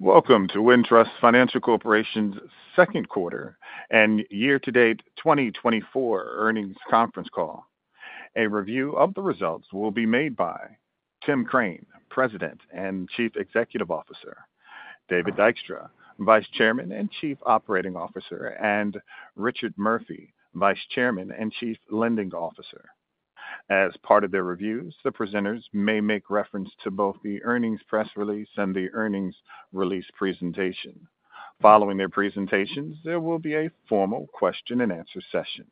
Welcome to Wintrust Financial Corporation's second quarter and year-to-date 2024 earnings conference call. A review of the results will be made by Tim Crane, President and Chief Executive Officer, David Dykstra, Vice Chairman and Chief Operating Officer, and Richard Murphy, Vice Chairman and Chief Lending Officer. As part of their reviews, the presenters may make reference to both the earnings press release and the earnings release presentation. Following their presentations, there will be a formal question-and-answer session.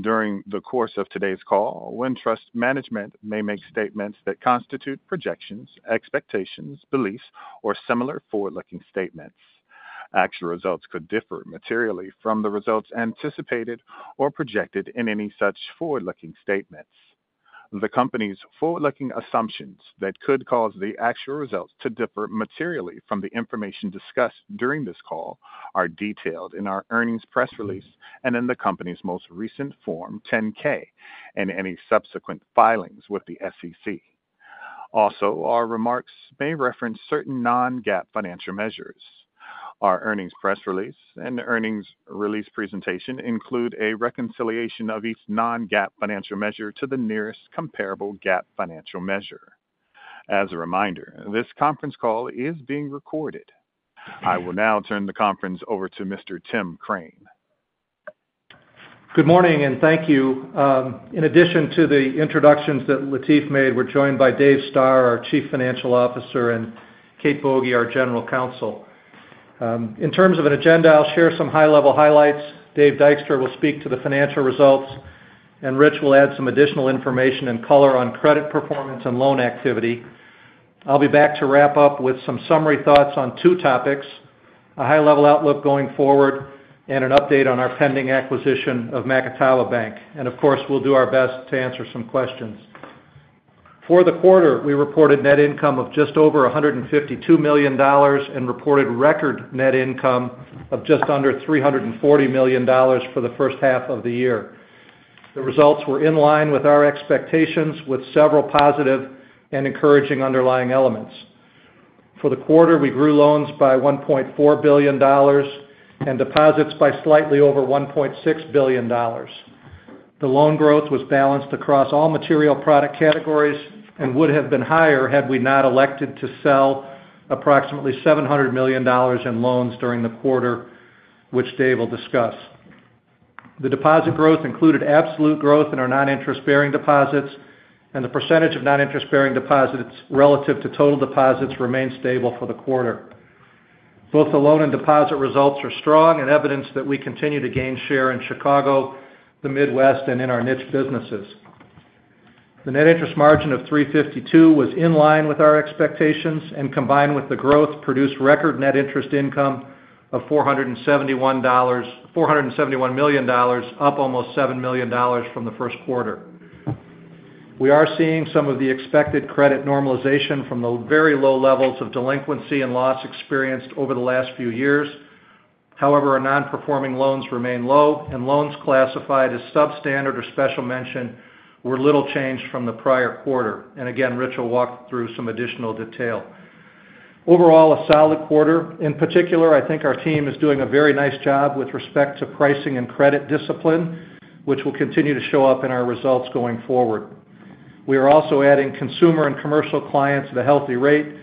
During the course of today's call, Wintrust management may make statements that constitute projections, expectations, beliefs, or similar forward-looking statements. Actual results could differ materially from the results anticipated or projected in any such forward-looking statements. The company's forward-looking assumptions that could cause the actual results to differ materially from the information discussed during this call are detailed in our earnings press release and in the company's most recent Form 10-K and any subsequent filings with the SEC. Also, our remarks may reference certain non-GAAP financial measures. Our earnings press release and the earnings release presentation include a reconciliation of each non-GAAP financial measure to the nearest comparable GAAP financial measure. As a reminder, this conference call is being recorded. I will now turn the conference over to Mr. Tim Crane. Good morning, and thank you. In addition to the introductions that Latif made, we're joined by Dave Stoehr, our Chief Financial Officer, and Kate Boege, our General Counsel. In terms of an agenda, I'll share some high-level highlights. Dave Dykstra will speak to the financial results, and Rich will add some additional information and color on credit performance and loan activity. I'll be back to wrap up with some summary thoughts on two topics: a high-level outlook going forward and an update on our pending acquisition of Macatawa Bank. And of course, we'll do our best to answer some questions. For the quarter, we reported net income of just over $152 million and reported record net income of just under $340 million for the first half of the year. The results were in line with our expectations, with several positive and encouraging underlying elements. For the quarter, we grew loans by $1.4 billion and deposits by slightly over $1.6 billion. The loan growth was balanced across all material product categories and would have been higher had we not elected to sell approximately $700 million in loans during the quarter, which Dave will discuss. The deposit growth included absolute growth in our non-interest-bearing deposits, and the percentage of non-interest-bearing deposits relative to total deposits remained stable for the quarter. Both the loan and deposit results are strong and evidence that we continue to gain share in Chicago, the Midwest, and in our niche businesses. The net interest margin of 3.52 was in line with our expectations, and combined with the growth, produced record net interest income of $471 -- $471 million dollars, up almost $7 million dollars from the first quarter. We are seeing some of the expected credit normalization from the very low levels of delinquency and loss experienced over the last few years. However, our non-performing loans remain low, and loans classified as substandard or special mention were little changed from the prior quarter. And again, Rich will walk through some additional detail. Overall, a solid quarter. In particular, I think our team is doing a very nice job with respect to pricing and credit discipline, which will continue to show up in our results going forward. We are also adding consumer and commercial clients at a healthy rate,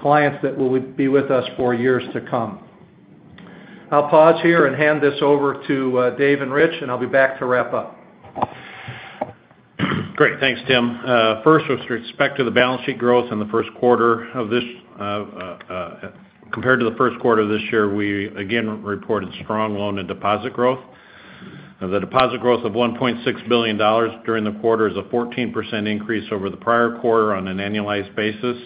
clients that will be with us for years to come. I'll pause here and hand this over to Dave and Rich, and I'll be back to wrap up. Great. Thanks, Tim. First, with respect to the balance sheet growth in the first quarter of this compared to the first quarter of this year, we again reported strong loan and deposit growth. The deposit growth of $1.6 billion during the quarter is a 14% increase over the prior quarter on an annualized basis.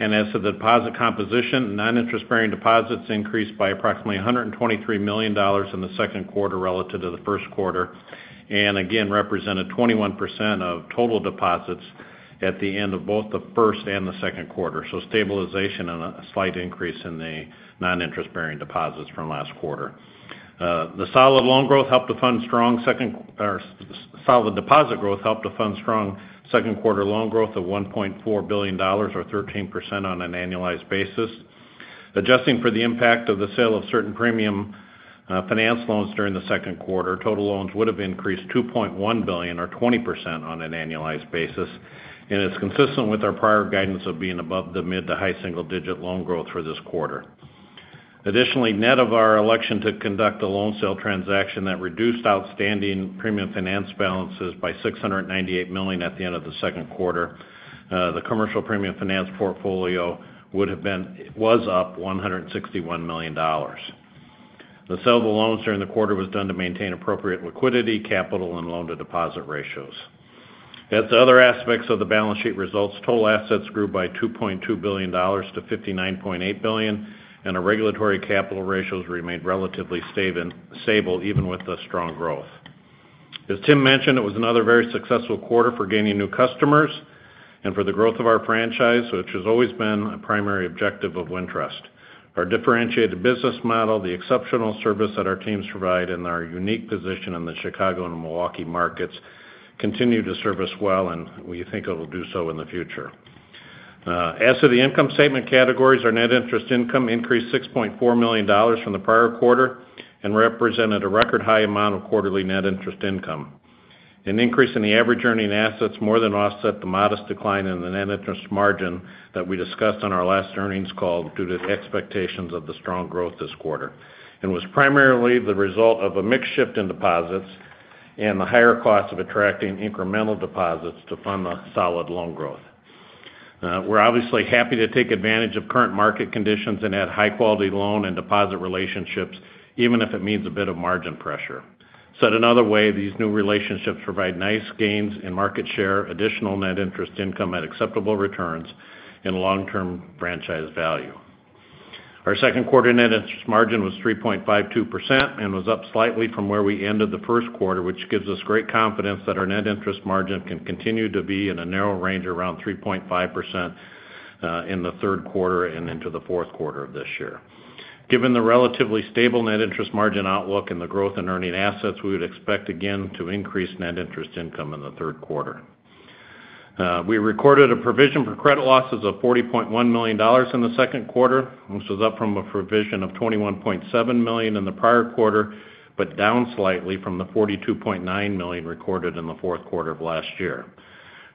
And as to the deposit composition, non-interest-bearing deposits increased by approximately $123 million in the second quarter relative to the first quarter, and again, represented 21% of total deposits at the end of both the first and the second quarter. So stabilization and a slight increase in the non-interest-bearing deposits from last quarter. Solid deposit growth helped to fund strong second quarter loan growth of $1.4 billion or 13% on an annualized basis. Adjusting for the impact of the sale of certain premium finance loans during the second quarter, total loans would have increased $2.1 billion or 20% on an annualized basis, and it's consistent with our prior guidance of being above the mid to high single digit loan growth for this quarter. Additionally, net of our election to conduct a loan sale transaction that reduced outstanding premium finance balances by $698 million at the end of the second quarter, the commercial premium finance portfolio would have been up $161 million. The sale of the loans during the quarter was done to maintain appropriate liquidity, capital, and loan-to-deposit ratios. As to other aspects of the balance sheet results, total assets grew by $2.2 billion to $59.8 billion, and our regulatory capital ratios remained relatively stable, even with the strong growth. As Tim mentioned, it was another very successful quarter for gaining new customers and for the growth of our franchise, which has always been a primary objective of Wintrust. Our differentiated business model, the exceptional service that our teams provide, and our unique position in the Chicago and Milwaukee markets... continue to serve us well, and we think it'll do so in the future. As to the income statement categories, our net interest income increased $6.4 million from the prior quarter and represented a record high amount of quarterly net interest income. An increase in the average earning assets more than offset the modest decline in the net interest margin that we discussed on our last earnings call due to the expectations of the strong growth this quarter, and was primarily the result of a mix shift in deposits and the higher cost of attracting incremental deposits to fund the solid loan growth. We're obviously happy to take advantage of current market conditions and add high-quality loan and deposit relationships, even if it means a bit of margin pressure. Said another way, these new relationships provide nice gains in market share, additional net interest income at acceptable returns, and long-term franchise value. Our second quarter net interest margin was 3.52% and was up slightly from where we ended the first quarter, which gives us great confidence that our net interest margin can continue to be in a narrow range around 3.5%, in the third quarter and into the fourth quarter of this year. Given the relatively stable net interest margin outlook and the growth in earning assets, we would expect again to increase net interest income in the third quarter. We recorded a provision for credit losses of $40.1 million in the second quarter, which was up from a provision of $21.7 million in the prior quarter, but down slightly from the $42.9 million recorded in the fourth quarter of last year.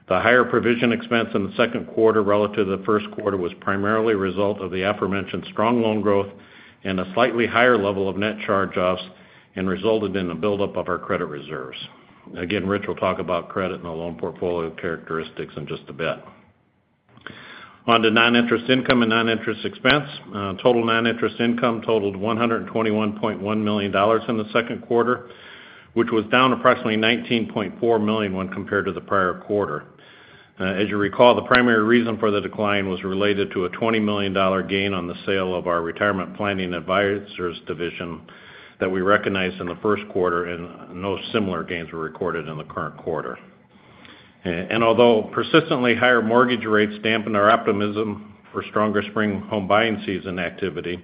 The higher provision expense in the second quarter relative to the first quarter was primarily a result of the aforementioned strong loan growth and a slightly higher level of net charge-offs and resulted in a buildup of our credit reserves. Again, Rich will talk about credit and the loan portfolio characteristics in just a bit. On to non-interest income and non-interest expense. Total non-interest income totaled $121.1 million in the second quarter, which was down approximately $19.4 million when compared to the prior quarter. As you recall, the primary reason for the decline was related to a $20 million gain on the sale of our retirement planning advisors division that we recognized in the first quarter, and no similar gains were recorded in the current quarter. And although persistently higher mortgage rates dampened our optimism for stronger spring home buying season activity,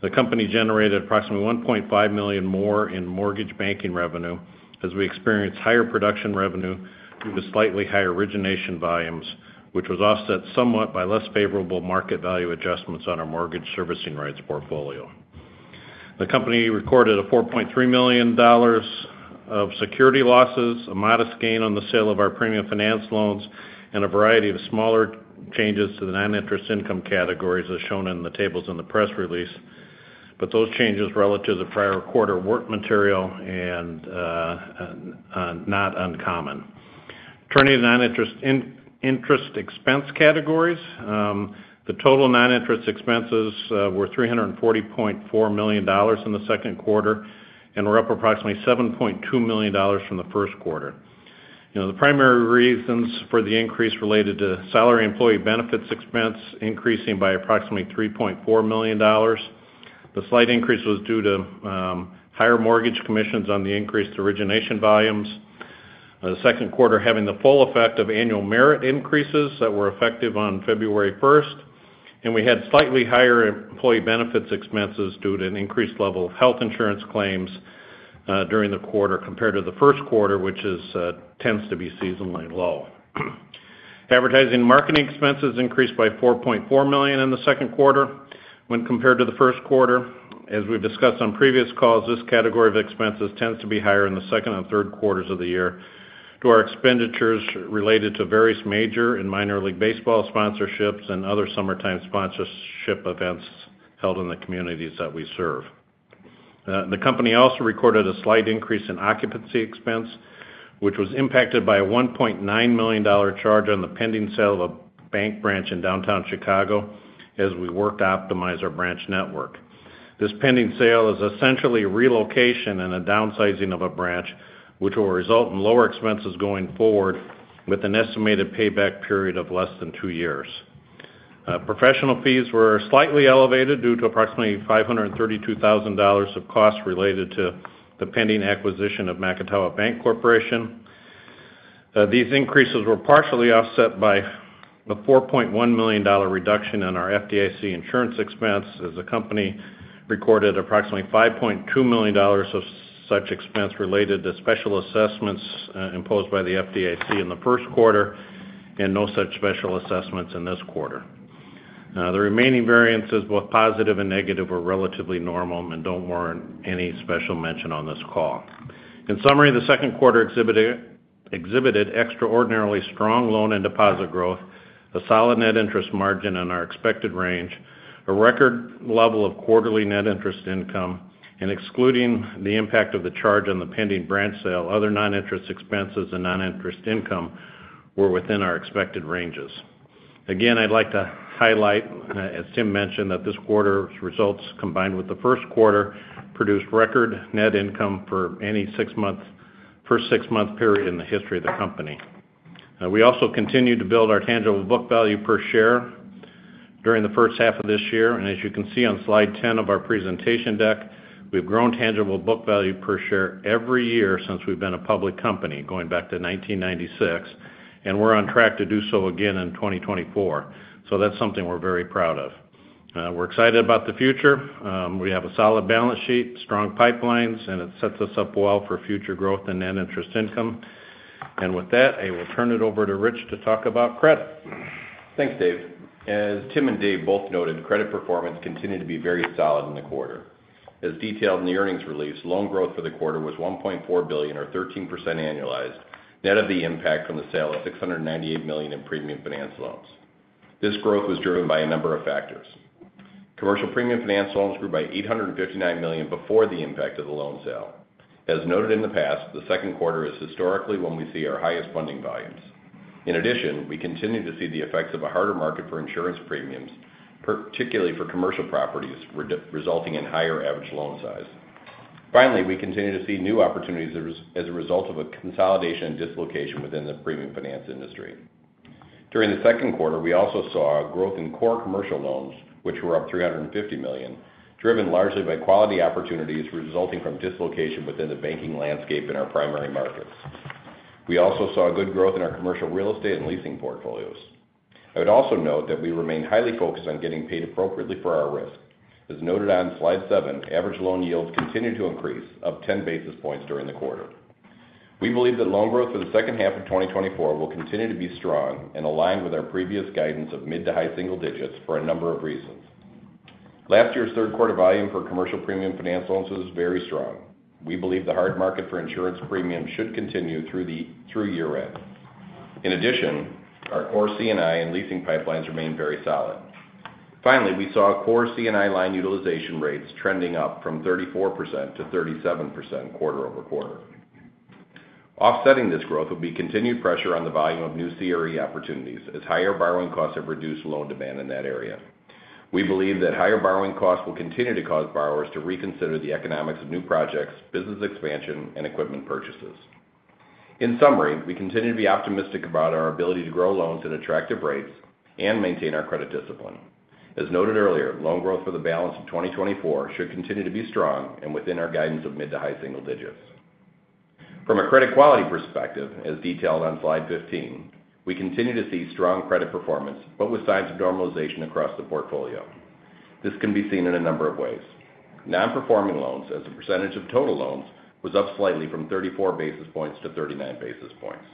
the company generated approximately $1.5 million more in mortgage banking revenue as we experienced higher production revenue due to slightly higher origination volumes, which was offset somewhat by less favorable market value adjustments on our mortgage servicing rights portfolio. The company recorded a $4.3 million of security losses, a modest gain on the sale of our premium finance loans, and a variety of smaller changes to the non-interest income categories, as shown in the tables in the press release. But those changes relative to the prior quarter were material and not uncommon. Turning to the non-interest expense categories, the total non-interest expenses were $340.4 million in the second quarter, and were up approximately $7.2 million from the first quarter. You know, the primary reasons for the increase related to salary employee benefits expense increasing by approximately $3.4 million. The slight increase was due to higher mortgage commissions on the increased origination volumes. The second quarter having the full effect of annual merit increases that were effective on February first, and we had slightly higher employee benefits expenses due to an increased level of health insurance claims during the quarter compared to the first quarter, which tends to be seasonally low. Advertising marketing expenses increased by $4.4 million in the second quarter when compared to the first quarter. As we've discussed on previous calls, this category of expenses tends to be higher in the second and third quarters of the year, to our expenditures related to various Major and Minor League Baseball sponsorships and other summertime sponsorship events held in the communities that we serve. The company also recorded a slight increase in occupancy expense, which was impacted by a $1.9 million charge on the pending sale of a bank branch in downtown Chicago as we work to optimize our branch network. This pending sale is essentially a relocation and a downsizing of a branch, which will result in lower expenses going forward, with an estimated payback period of less than two years. Professional fees were slightly elevated due to approximately $532,000 of costs related to the pending acquisition of Macatawa Bank Corporation. These increases were partially offset by a $4.1 million reduction in our FDIC insurance expense, as the company recorded approximately $5.2 million of such expense related to special assessments imposed by the FDIC in the first quarter, and no such special assessments in this quarter. The remaining variances, both positive and negative, are relatively normal and don't warrant any special mention on this call. In summary, the second quarter exhibited extraordinarily strong loan and deposit growth, a solid net interest margin on our expected range, a record level of quarterly net interest income, and excluding the impact of the charge on the pending branch sale, other non-interest expenses and non-interest income were within our expected ranges. Again, I'd like to highlight, as Tim mentioned, that this quarter's results, combined with the first quarter, produced record net income for any first six-month period in the history of the company. We also continued to build our tangible book value per share during the first half of this year. And as you can see on slide 10 of our presentation deck, we've grown tangible book value per share every year since we've been a public company, going back to 1996, and we're on track to do so again in 2024. So that's something we're very proud of. We're excited about the future. We have a solid balance sheet, strong pipelines, and it sets us up well for future growth in net interest income. And with that, I will turn it over to Rich to talk about credit. Thanks, Dave. As Tim and Dave both noted, credit performance continued to be very solid in the quarter. As detailed in the earnings release, loan growth for the quarter was $1.4 billion, or 13% annualized, net of the impact from the sale of $698 million in premium finance loans. This growth was driven by a number of factors. Commercial premium finance loans grew by $859 million before the impact of the loan sale. As noted in the past, the second quarter is historically when we see our highest funding volumes. In addition, we continue to see the effects of a harder market for insurance premiums, particularly for commercial properties, resulting in higher average loan size. Finally, we continue to see new opportunities as a result of a consolidation and dislocation within the premium finance industry. During the second quarter, we also saw a growth in core commercial loans, which were up $350 million, driven largely by quality opportunities resulting from dislocation within the banking landscape in our primary markets. We also saw good growth in our commercial real estate and leasing portfolios. I would also note that we remain highly focused on getting paid appropriately for our risk. As noted on Slide 7, average loan yields continued to increase, up 10 basis points during the quarter. We believe that loan growth for the second half of 2024 will continue to be strong and aligned with our previous guidance of mid- to high-single digits for a number of reasons. Last year's third quarter volume for commercial premium finance loans was very strong. We believe the hard market for insurance premiums should continue through year-end. In addition, our core C&I and leasing pipelines remain very solid. Finally, we saw core C&I line utilization rates trending up from 34% to 37% quarter-over-quarter. Offsetting this growth will be continued pressure on the volume of new CRE opportunities, as higher borrowing costs have reduced loan demand in that area. We believe that higher borrowing costs will continue to cause borrowers to reconsider the economics of new projects, business expansion, and equipment purchases. In summary, we continue to be optimistic about our ability to grow loans at attractive rates and maintain our credit discipline. As noted earlier, loan growth for the balance of 2024 should continue to be strong and within our guidance of mid to high single digits. From a credit quality perspective, as detailed on Slide 15, we continue to see strong credit performance, but with signs of normalization across the portfolio. This can be seen in a number of ways. Non-performing loans, as a percentage of total loans, was up slightly from 34 basis points to 39 basis points.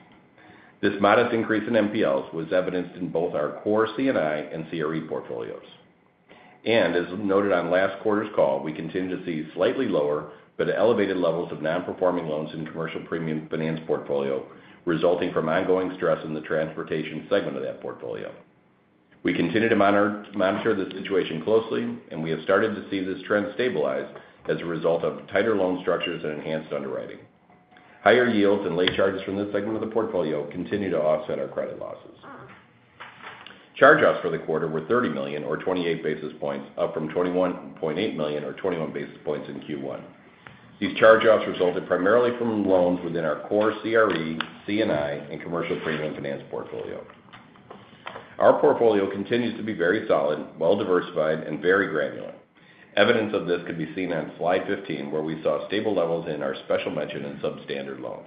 This modest increase in NPLs was evidenced in both our core C&I and CRE portfolios. And as noted on last quarter's call, we continue to see slightly lower but elevated levels of non-performing loans in commercial premium finance portfolio, resulting from ongoing stress in the transportation segment of that portfolio. We continue to monitor the situation closely, and we have started to see this trend stabilize as a result of tighter loan structures and enhanced underwriting. Higher yields and late charges from this segment of the portfolio continue to offset our credit losses. Charge-offs for the quarter were $30 million, or 28 basis points, up from $21.8 million, or 21 basis points, in Q1. These charge-offs resulted primarily from loans within our core CRE, C&I, and commercial premium finance portfolio. Our portfolio continues to be very solid, well-diversified, and very granular. Evidence of this could be seen on Slide 15, where we saw stable levels in our special mention in substandard loans.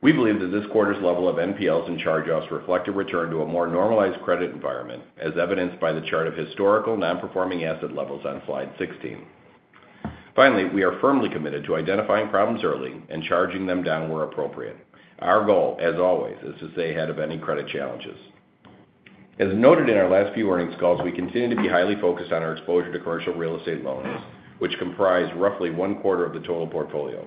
We believe that this quarter's level of NPLs and charge-offs reflect a return to a more normalized credit environment, as evidenced by the chart of historical non-performing asset levels on Slide 16. Finally, we are firmly committed to identifying problems early and charging them down where appropriate. Our goal, as always, is to stay ahead of any credit challenges. As noted in our last few earnings calls, we continue to be highly focused on our exposure to commercial real estate loans, which comprise roughly one quarter of the total portfolio.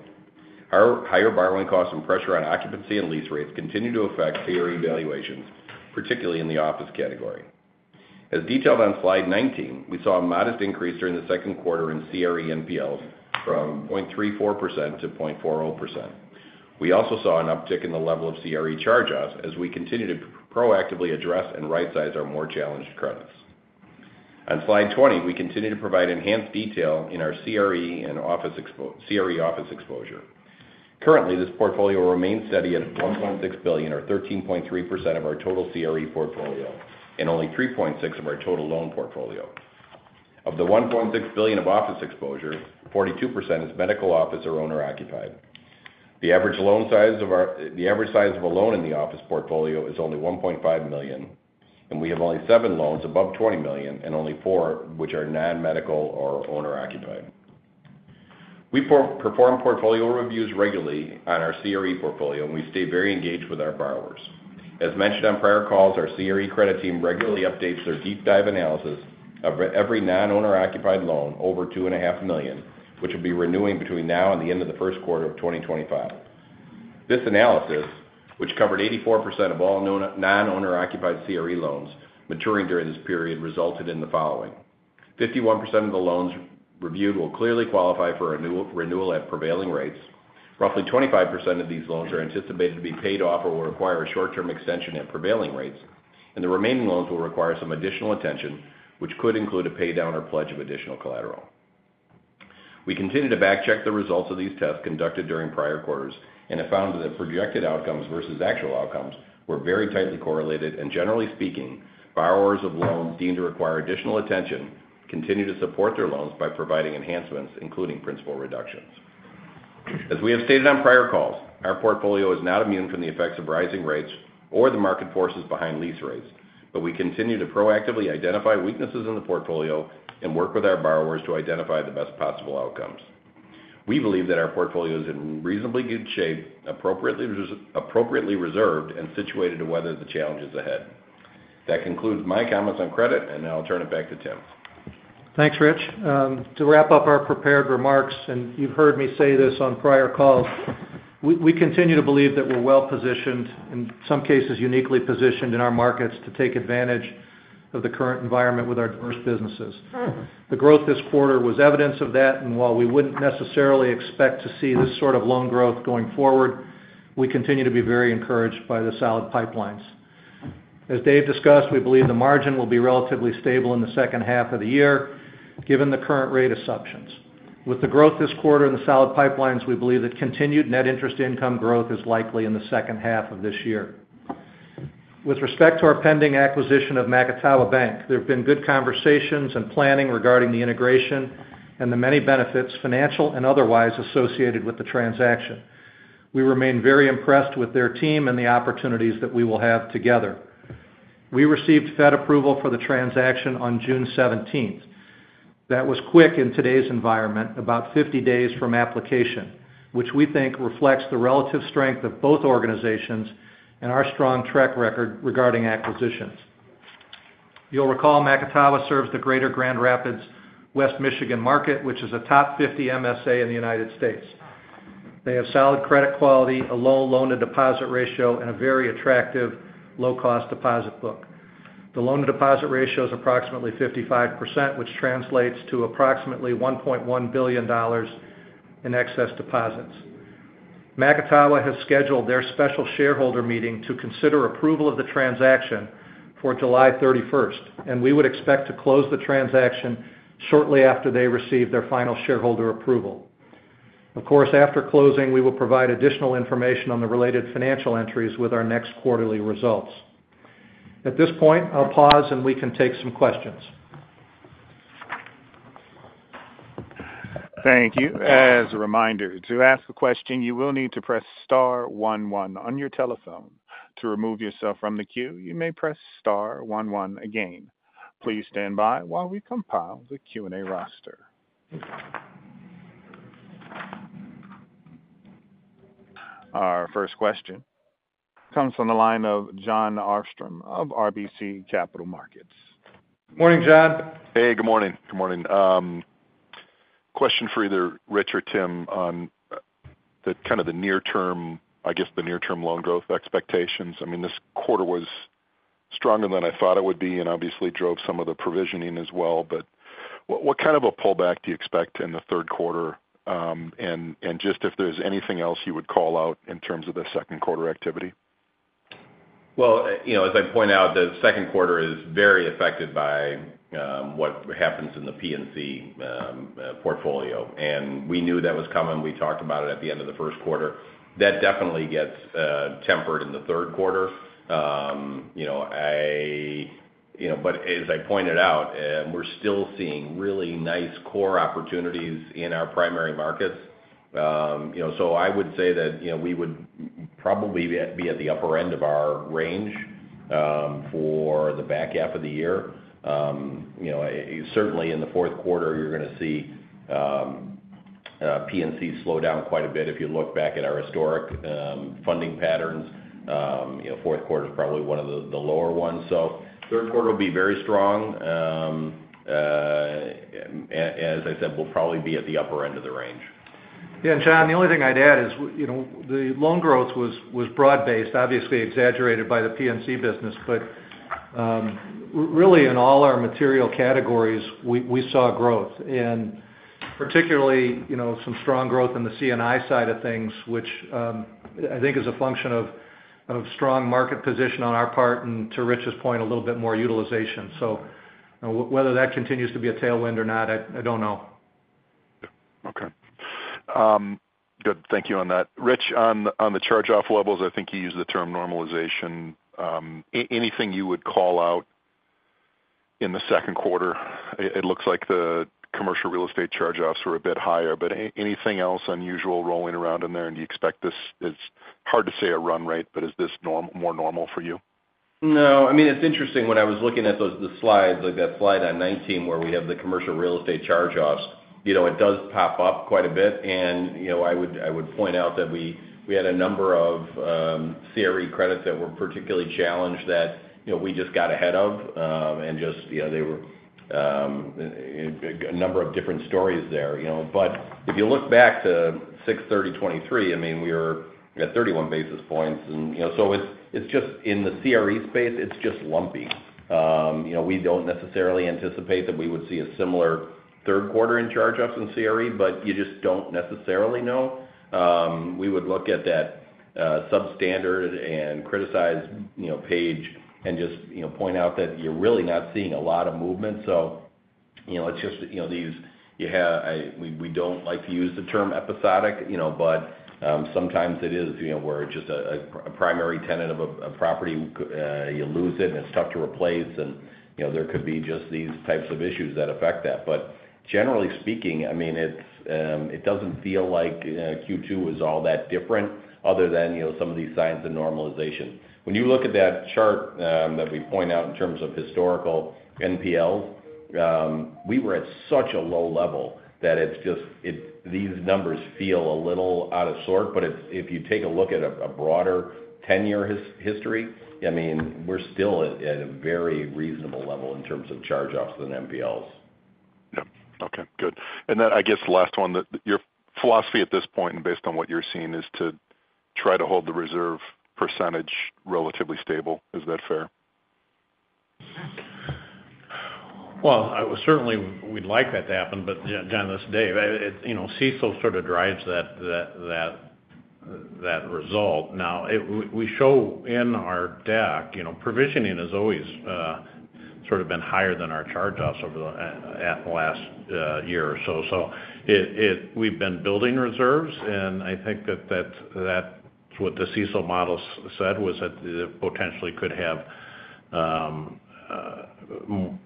Our higher borrowing costs and pressure on occupancy and lease rates continue to affect CRE valuations, particularly in the office category. As detailed on Slide 19, we saw a modest increase during the second quarter in CRE NPLs from 0.34% to 0.40%. We also saw an uptick in the level of CRE charge-offs as we continue to proactively address and rightsize our more challenged credits. On Slide 20, we continue to provide enhanced detail in our CRE and office exposure. Currently, this portfolio remains steady at $1.6 billion, or 13.3% of our total CRE portfolio, and only 3.6% of our total loan portfolio. Of the $1.6 billion of office exposure, 42% is medical office or owner-occupied. The average size of a loan in the office portfolio is only $1.5 million, and we have only 7 loans above $20 million, and only 4 which are non-medical or owner-occupied. We perform portfolio reviews regularly on our CRE portfolio, and we stay very engaged with our borrowers. As mentioned on prior calls, our CRE credit team regularly updates their deep dive analysis of every non-owner occupied loan over $2.5 million, which will be renewing between now and the end of the first quarter of 2025. This analysis, which covered 84% of all known non-owner occupied CRE loans maturity during this period, resulted in the following: 51% of the loans reviewed will clearly qualify for renewal at prevailing rates. Roughly 25% of these loans are anticipated to be paid off or will require a short-term extension at prevailing rates, and the remaining loans will require some additional attention, which could include a pay down or pledge of additional collateral. We continue to backcheck the results of these tests conducted during prior quarters and have found that projected outcomes versus actual outcomes were very tightly correlated, and generally speaking, borrowers of loans deemed to require additional attention continue to support their loans by providing enhancements, including principal reductions. As we have stated on prior calls, our portfolio is not immune from the effects of rising rates or the market forces behind lease rates, but we continue to proactively identify weaknesses in the portfolio and work with our borrowers to identify the best possible outcomes. We believe that our portfolio is in reasonably good shape, appropriately reserved, and situated to weather the challenges ahead. That concludes my comments on credit, and now I'll turn it back to Tim. Thanks, Rich. To wrap up our prepared remarks, and you've heard me say this on prior calls, we continue to believe that we're well-positioned, in some cases, uniquely positioned in our markets to take advantage of the current environment with our diverse businesses. The growth this quarter was evidence of that, and while we wouldn't necessarily expect to see this sort of loan growth going forward, we continue to be very encouraged by the solid pipelines. As Dave discussed, we believe the margin will be relatively stable in the second half of the year, given the current rate assumptions. With the growth this quarter and the solid pipelines, we believe that continued net interest income growth is likely in the second half of this year. With respect to our pending acquisition of Macatawa Bank, there have been good conversations and planning regarding the integration and the many benefits, financial and otherwise, associated with the transaction. We remain very impressed with their team and the opportunities that we will have together. We received Fed approval for the transaction on June seventeenth. That was quick in today's environment, about 50 days from application, which we think reflects the relative strength of both organizations and our strong track record regarding acquisitions. You'll recall, Macatawa serves the Greater Grand Rapids West Michigan market, which is a top 50 MSA in the United States. They have solid credit quality, a low loan-to-deposit ratio, and a very attractive low-cost deposit book. The loan-to-deposit ratio is approximately 55%, which translates to approximately $1.1 billion in excess deposits. Macatawa has scheduled their special shareholder meeting to consider approval of the transaction for July 31st, and we would expect to close the transaction shortly after they receive their final shareholder approval. Of course, after closing, we will provide additional information on the related financial entries with our next quarterly results. At this point, I'll pause, and we can take some questions. Thank you. As a reminder, to ask a question, you will need to press star one one on your telephone. To remove yourself from the queue, you may press star one one again. Please stand by while we compile the Q&A roster. Our first question comes from the line of Jon Arfstrom of RBC Capital Markets. Morning, John. Hey, good morning. Good morning. Question for either Rich or Tim on the near-term loan growth expectations. I mean, this quarter was stronger than I thought it would be, and obviously drove some of the provisioning as well. But what kind of a pullback do you expect in the third quarter? And just if there's anything else you would call out in terms of the second quarter activity. Well, you know, as I point out, the second quarter is very affected by what happens in the P&C portfolio. And we knew that was coming. We talked about it at the end of the first quarter. That definitely gets tempered in the third quarter. You know, but as I pointed out, we're still seeing really nice core opportunities in our primary markets. You know, so I would say that, you know, we would probably be at, be at the upper end of our range for the back half of the year. You know, certainly in the fourth quarter, you're gonna see P&C slow down quite a bit. If you look back at our historic funding patterns, you know, fourth quarter is probably one of the lower ones. So third quarter will be very strong. As I said, we'll probably be at the upper end of the range. Yeah, John, the only thing I'd add is you know, the loan growth was broad-based, obviously exaggerated by the P&C business. But really, in all our material categories, we saw growth, and particularly, you know, some strong growth in the C&I side of things, which I think is a function of strong market position on our part, and to Rich's point, a little bit more utilization. So whether that continues to be a tailwind or not, I don't know. Okay. Good. Thank you on that. Rich, on the charge-off levels, I think you used the term normalization. Anything you would call out in the second quarter? It looks like the commercial real estate charge-offs were a bit higher, but anything else unusual rolling around in there? And do you expect this... It's hard to say a run rate, but is this more normal for you? No, I mean, it's interesting, when I was looking at those, the slides, like that slide on 19, where we have the commercial real estate charge-offs, you know, it does pop up quite a bit. And, you know, I would point out that we had a number of CRE credits that were particularly challenged that, you know, we just got ahead of, and just, you know, they were a number of different stories there, you know. But if you look back to 633, I mean, we were at 31 basis points. And, you know, so it's just in the CRE space, it's just lumpy. You know, we don't necessarily anticipate that we would see a similar third quarter in charge-offs in CRE, but you just don't necessarily know. We would look at that substandard and criticized, you know, page and just, you know, point out that you're really not seeing a lot of movement. So-... you know, it's just, you know, these-- you have, we don't like to use the term episodic, you know, but, sometimes it is, you know, where it's just a primary tenant of a property, you lose it, and it's tough to replace. And, you know, there could be just these types of issues that affect that. But generally speaking, I mean, it's, it doesn't feel like Q2 is all that different other than, you know, some of these signs of normalization. When you look at that chart, that we point out in terms of historical NPLs, we were at such a low level that it's just these numbers feel a little out of sort. But it's if you take a look at a broader ten-year history, I mean, we're still at a very reasonable level in terms of charge-offs than NPLs. Yep. Okay, good. And then, I guess the last one, that your philosophy at this point, and based on what you're seeing, is to try to hold the reserve percentage relatively stable. Is that fair? Well, I would certainly, we'd like that to happen. But yeah, John, Dave, it, you know, CECL sort of drives that result. Now, we show in our deck, you know, provisioning has always sort of been higher than our charge-offs over the at the last year or so. So it, we've been building reserves, and I think that that's what the CECL model said, was that it potentially could have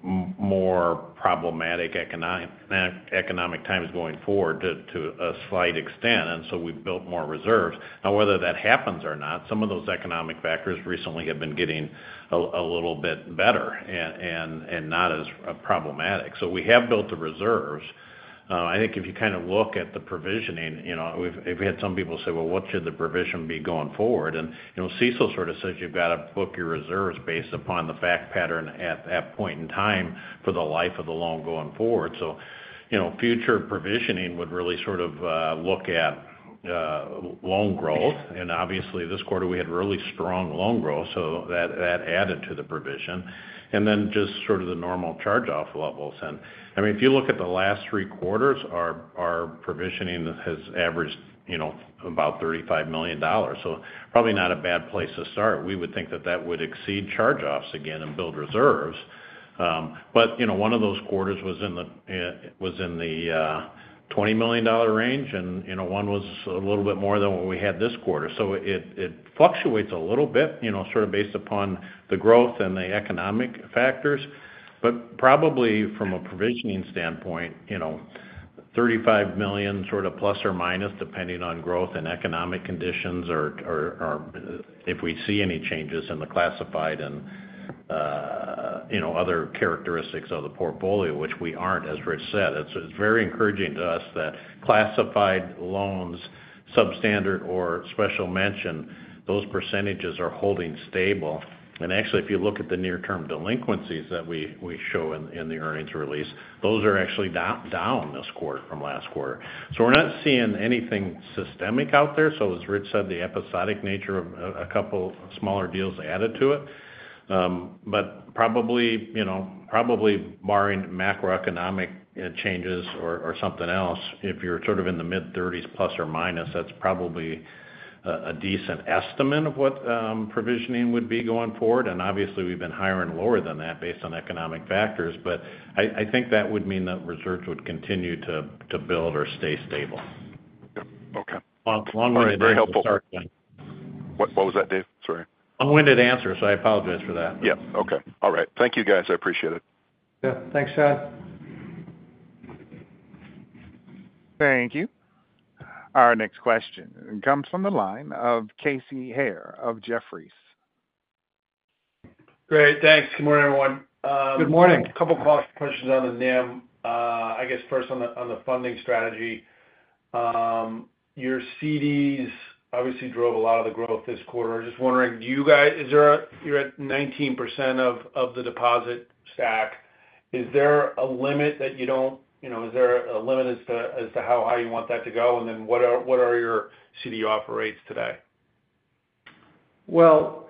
more problematic economic times going forward to a slight extent, and so we've built more reserves. Now, whether that happens or not, some of those economic factors recently have been getting a little bit better and not as problematic. So we have built the reserves. I think if you kind of look at the provisioning, you know, we've had some people say, "Well, what should the provision be going forward?" And, you know, CECL sort of says you've got to book your reserves based upon the fact pattern at that point in time for the life of the loan going forward. So, you know, future provisioning would really sort of look at loan growth. And obviously, this quarter, we had really strong loan growth, so that added to the provision, and then just sort of the normal charge-off levels. And I mean, if you look at the last three quarters, our provisioning has averaged, you know, about $35 million, so probably not a bad place to start. We would think that that would exceed charge-offs again and build reserves. But, you know, one of those quarters was in the $20 million range, and, you know, one was a little bit more than what we had this quarter. So it fluctuates a little bit, you know, sort of based upon the growth and the economic factors. But probably from a provisioning standpoint, you know, $35 million, sort of ±, depending on growth and economic conditions, or if we see any changes in the classified and, you know, other characteristics of the portfolio, which we aren't, as Rich said. It's very encouraging to us that classified loans, substandard or special mention, those percentages are holding stable. And actually, if you look at the near-term delinquencies that we show in the earnings release, those are actually down this quarter from last quarter. So we're not seeing anything systemic out there. So as Rich said, the episodic nature of a couple of smaller deals added to it. But probably, you know, probably barring macroeconomic changes or something else, if you're sort of in the mid-thirties, plus or minus, that's probably a decent estimate of what provisioning would be going forward. And obviously, we've been higher and lower than that based on economic factors, but I think that would mean that reserves would continue to build or stay stable. Yep. Okay. Well, it's a long-winded answer- Very helpful. What, what was that, Dave? Sorry. Long-winded answer, so I apologize for that. Yep. Okay. All right. Thank you, guys. I appreciate it. Yeah. Thanks, Todd. Thank you. Our next question comes from the line of Casey Haire of Jefferies. Great. Thanks. Good morning, everyone. Good morning. A couple of quick questions on the NIM. I guess first on the funding strategy. Your CDs obviously drove a lot of the growth this quarter. I'm just wondering, do you guys—is there a—you're at 19% of the deposit stack. Is there a limit that you don't, you know... Is there a limit as to how high you want that to go? And then what are your CD rates today? Well,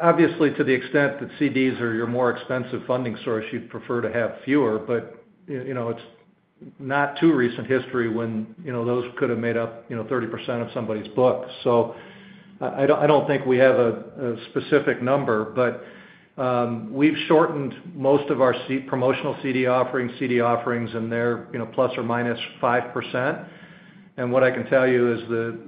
obviously, to the extent that CDs are your more expensive funding source, you'd prefer to have fewer. But, you know, it's not too recent history when, you know, those could have made up, you know, 30% of somebody's book. So I don't think we have a specific number, but we've shortened most of our CD promotional CD offerings, and they're, you know, plus or minus 5%. And what I can tell you is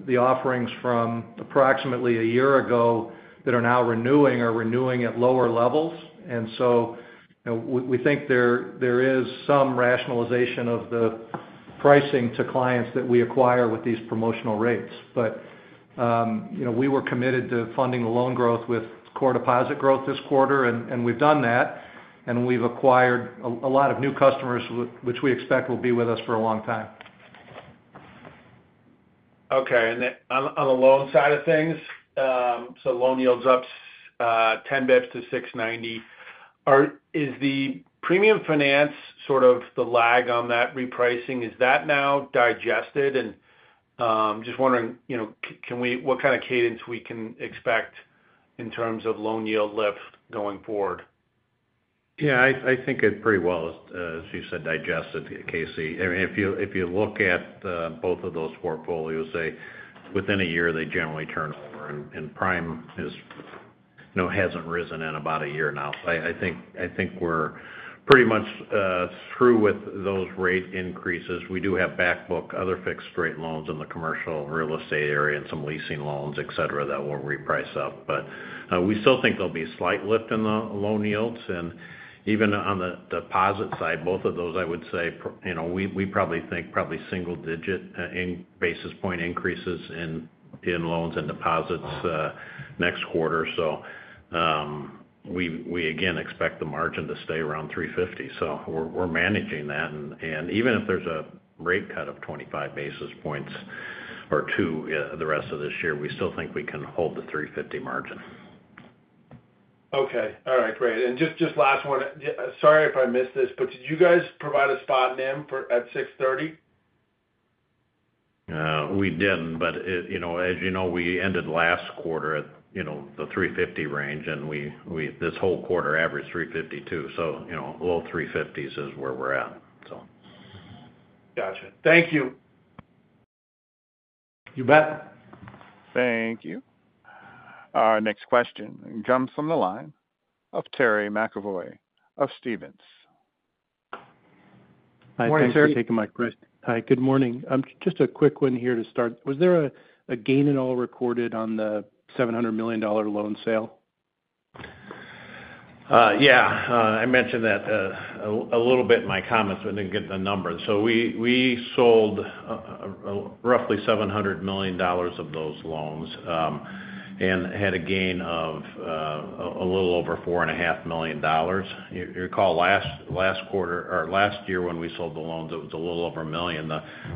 the offerings from approximately a year ago that are now renewing are renewing at lower levels. And so, you know, we think there is some rationalization of the pricing to clients that we acquire with these promotional rates. But, you know, we were committed to funding the loan growth with core deposit growth this quarter, and we've done that, and we've acquired a lot of new customers with which we expect will be with us for a long time. Okay. Then on the loan side of things, so loan yield's up 10 bps to 6.90%. Is the premium finance sort of the lag on that repricing? Is that now digested? Just wondering, you know, what kind of cadence we can expect in terms of loan yield lift going forward? Yeah, I think it pretty well, as you said, digested, Casey. I mean, if you look at both of those portfolios, they, within a year, generally turn over, and prime, you know, hasn't risen in about a year now. I think we're pretty much through with those rate increases. We do have back book, other fixed-rate loans in the commercial real estate area and some leasing loans, et cetera, that will reprice up. But we still think there'll be a slight lift in the loan yields, and even on the deposit side, both of those, I would say, you know, we probably think probably single digit in basis point increases in loans and deposits next quarter. So, we again expect the margin to stay around 350. So we're managing that. And even if there's a rate cut of 25 basis points or 2, the rest of this year, we still think we can hold the 3.50 margin. Okay. All right, great. And just, just last one. Sorry if I missed this, but did you guys provide a spot NIM for—at 6/30? We didn't, but it—you know, as you know, we ended last quarter at, you know, the 3.50 range, and this whole quarter averaged 3.52, so, you know, low 3.50s is where we're at, so. Gotcha. Thank you. You bet. Thank you. Our next question comes from the line of Terry McAvoy of Stephens. Hi. Morning, Terry. Thanks for taking my question. Hi, good morning. Just a quick one here to start. Was there a gain at all recorded on the $700 million loan sale? Yeah. I mentioned that a little bit in my comments, but I didn't get the numbers. So we sold roughly $700 million of those loans and had a gain of a little over $4.5 million. You recall last quarter or last year, when we sold the loans, it was a little over $1 million.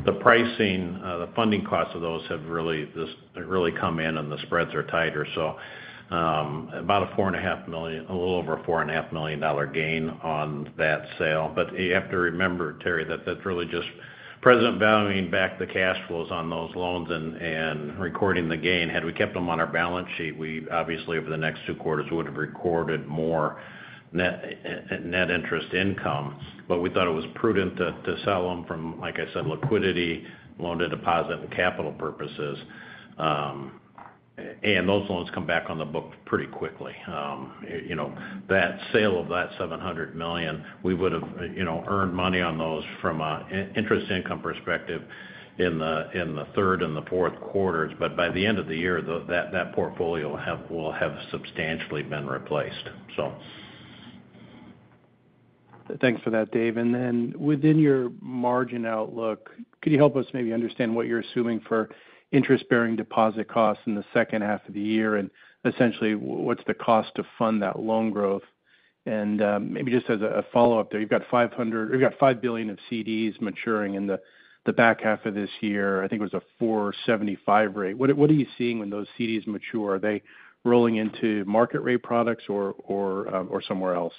The pricing, the funding costs of those have really just, they've really come in, and the spreads are tighter. So, about a four and a half million, a little over a four and a half million dollar gain on that sale. But you have to remember, Terry, that that's really just present valuing back the cash flows on those loans and recording the gain. Had we kept them on our balance sheet, we obviously, over the next two quarters, would have recorded more net interest income. But we thought it was prudent to sell them from, like I said, liquidity, loan-to-deposit and capital purposes. And those loans come back on the book pretty quickly. You know, that sale of that $700 million, we would've, you know, earned money on those from an interest income perspective in the third and the fourth quarters. But by the end of the year, that portfolio will have substantially been replaced, so. Thanks for that, Dave. And then within your margin outlook, could you help us maybe understand what you're assuming for interest-bearing deposit costs in the second half of the year? And essentially, what's the cost to fund that loan growth? And, maybe just as a follow-up there, you've got $5 billion of CDs maturing in the back half of this year. I think it was a 4.75% rate. What are you seeing when those CDs mature? Are they rolling into market rate products or somewhere else?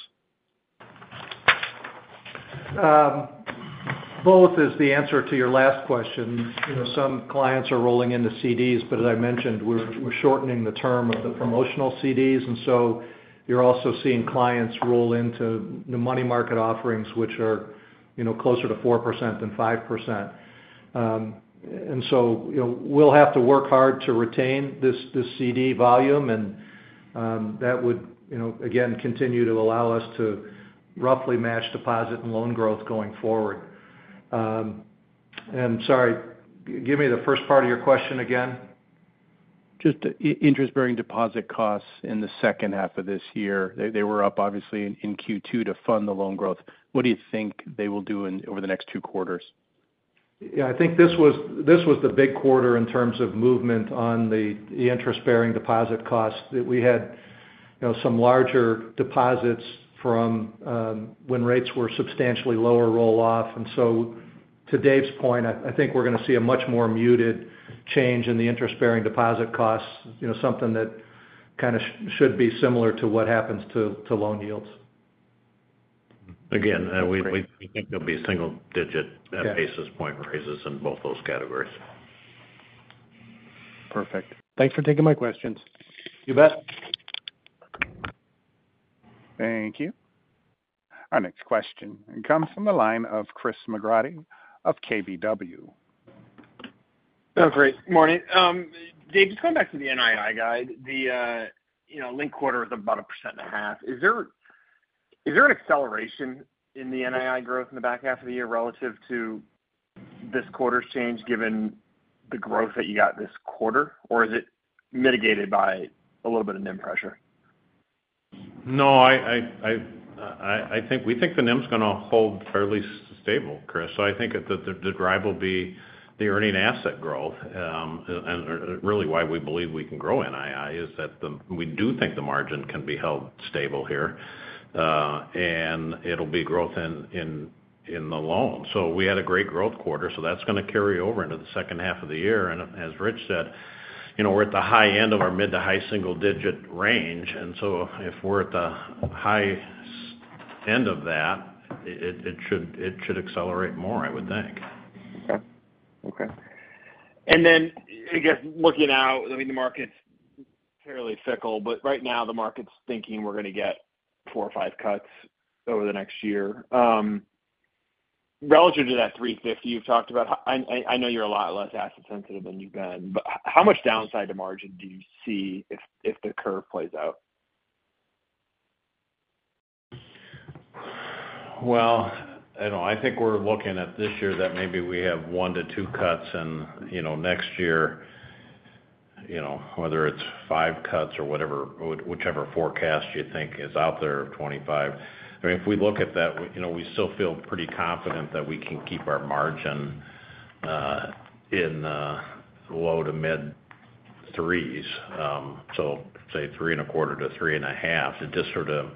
Both is the answer to your last question. You know, some clients are rolling into CDs, but as I mentioned, we're shortening the term of the promotional CDs. And so you're also seeing clients roll into new money market offerings, which are, you know, closer to 4% than 5%. And so, you know, we'll have to work hard to retain this CD volume, and that would, you know, again, continue to allow us to roughly match deposit and loan growth going forward. And sorry, give me the first part of your question again. Just interest-bearing deposit costs in the second half of this year. They were up, obviously in Q2 to fund the loan growth. What do you think they will do over the next two quarters? Yeah, I think this was, this was the big quarter in terms of movement on the, the interest-bearing deposit costs. That we had, you know, some larger deposits from, when rates were substantially lower, roll off. And so to Dave's point, I, I think we're going to see a much more muted change in the interest-bearing deposit costs, you know, something that kind of sh- should be similar to what happens to, to loan yields. Again, we think it'll be single digit- Yeah - basis point raises in both those categories. Perfect. Thanks for taking my questions. You bet. Thank you. Our next question comes from the line of Chris McGratty of KBW. Oh, great. Morning. Dave, just coming back to the NII guide, the, you know, linked quarter is about 1.5%. Is there, is there an acceleration in the NII growth in the back half of the year relative to this quarter's change, given the growth that you got this quarter? Or is it mitigated by a little bit of NIM pressure? No, I think—we think the NIM's gonna hold fairly stable, Chris. So I think that the drive will be the earning asset growth. And really why we believe we can grow NII is that we do think the margin can be held stable here. And it'll be growth in the loans. So we had a great growth quarter, so that's gonna carry over into the second half of the year. And as Rich said, you know, we're at the high end of our mid to high single digit range, and so if we're at the high end of that, it should accelerate more, I would think. Okay. Okay. And then, I guess, looking out, I mean, the market's fairly fickle, but right now the market's thinking we're gonna get four or five cuts over the next year.... Relative to that 3.50 you've talked about, I know you're a lot less asset sensitive than you've been, but how much downside to margin do you see if the curve plays out? Well, I know, I think we're looking at this year that maybe we have 1-2 cuts, and, you know, next year, you know, whether it's 5 cuts or whatever, whichever forecast you think is out there of 25. I mean, if we look at that, we, you know, we still feel pretty confident that we can keep our margin in low- to mid-threes. So say 3.25-3.5. It just sort of,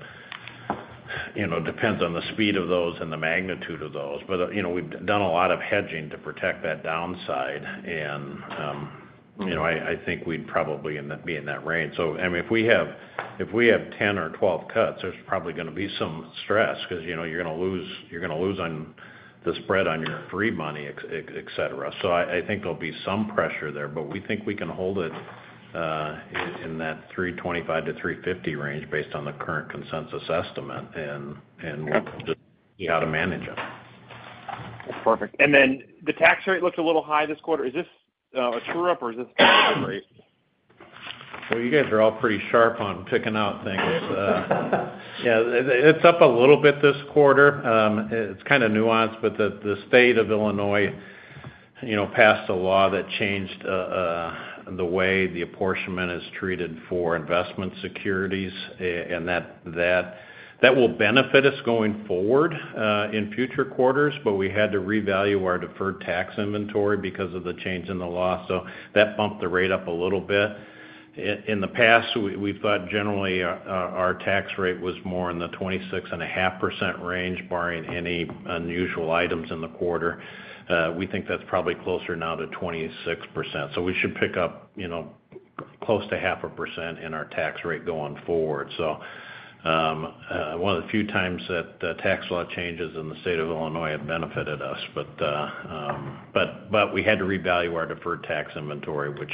you know, depends on the speed of those and the magnitude of those. But, you know, we've done a lot of hedging to protect that downside, and, you know, I, I think we'd probably end up be in that range. So I mean, if we have 10 or 12 cuts, there's probably gonna be some stress because, you know, you're gonna lose on the spread on your free money, ex et cetera. So I think there'll be some pressure there, but we think we can hold it in that 3.25-3.50 range based on the current consensus estimate, and Yep just how to manage it. That's perfect. The tax rate looks a little high this quarter. Is this a true-up, or is this rate? Well, you guys are all pretty sharp on picking out things. Yeah, it, it's up a little bit this quarter. It's kind of nuanced, but the state of Illinois, you know, passed a law that changed the way the apportionment is treated for investment securities, and that will benefit us going forward in future quarters, but we had to revalue our deferred tax inventory because of the change in the law. So that bumped the rate up a little bit. In the past, we thought generally our tax rate was more in the 26.5% range, barring any unusual items in the quarter. We think that's probably closer now to 26%. So we should pick up, you know, close to 0.5% in our tax rate going forward. So, one of the few times that the tax law changes in the state of Illinois have benefited us. But we had to revalue our deferred tax inventory, which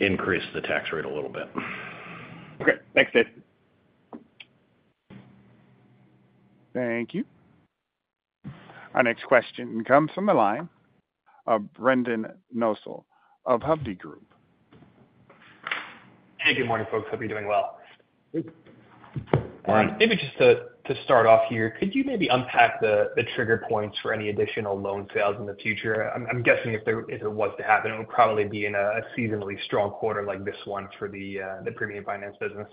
increased the tax rate a little bit. Okay. Thanks, Dave. Thank you. Our next question comes from the line of Brendan Nosal of Hovde Group. Hey, good morning, folks. Hope you're doing well. Good morning. Maybe just to start off here, could you maybe unpack the trigger points for any additional loan sales in the future? I'm guessing if there—if it was to happen, it would probably be in a seasonally strong quarter like this one for the premium finance business.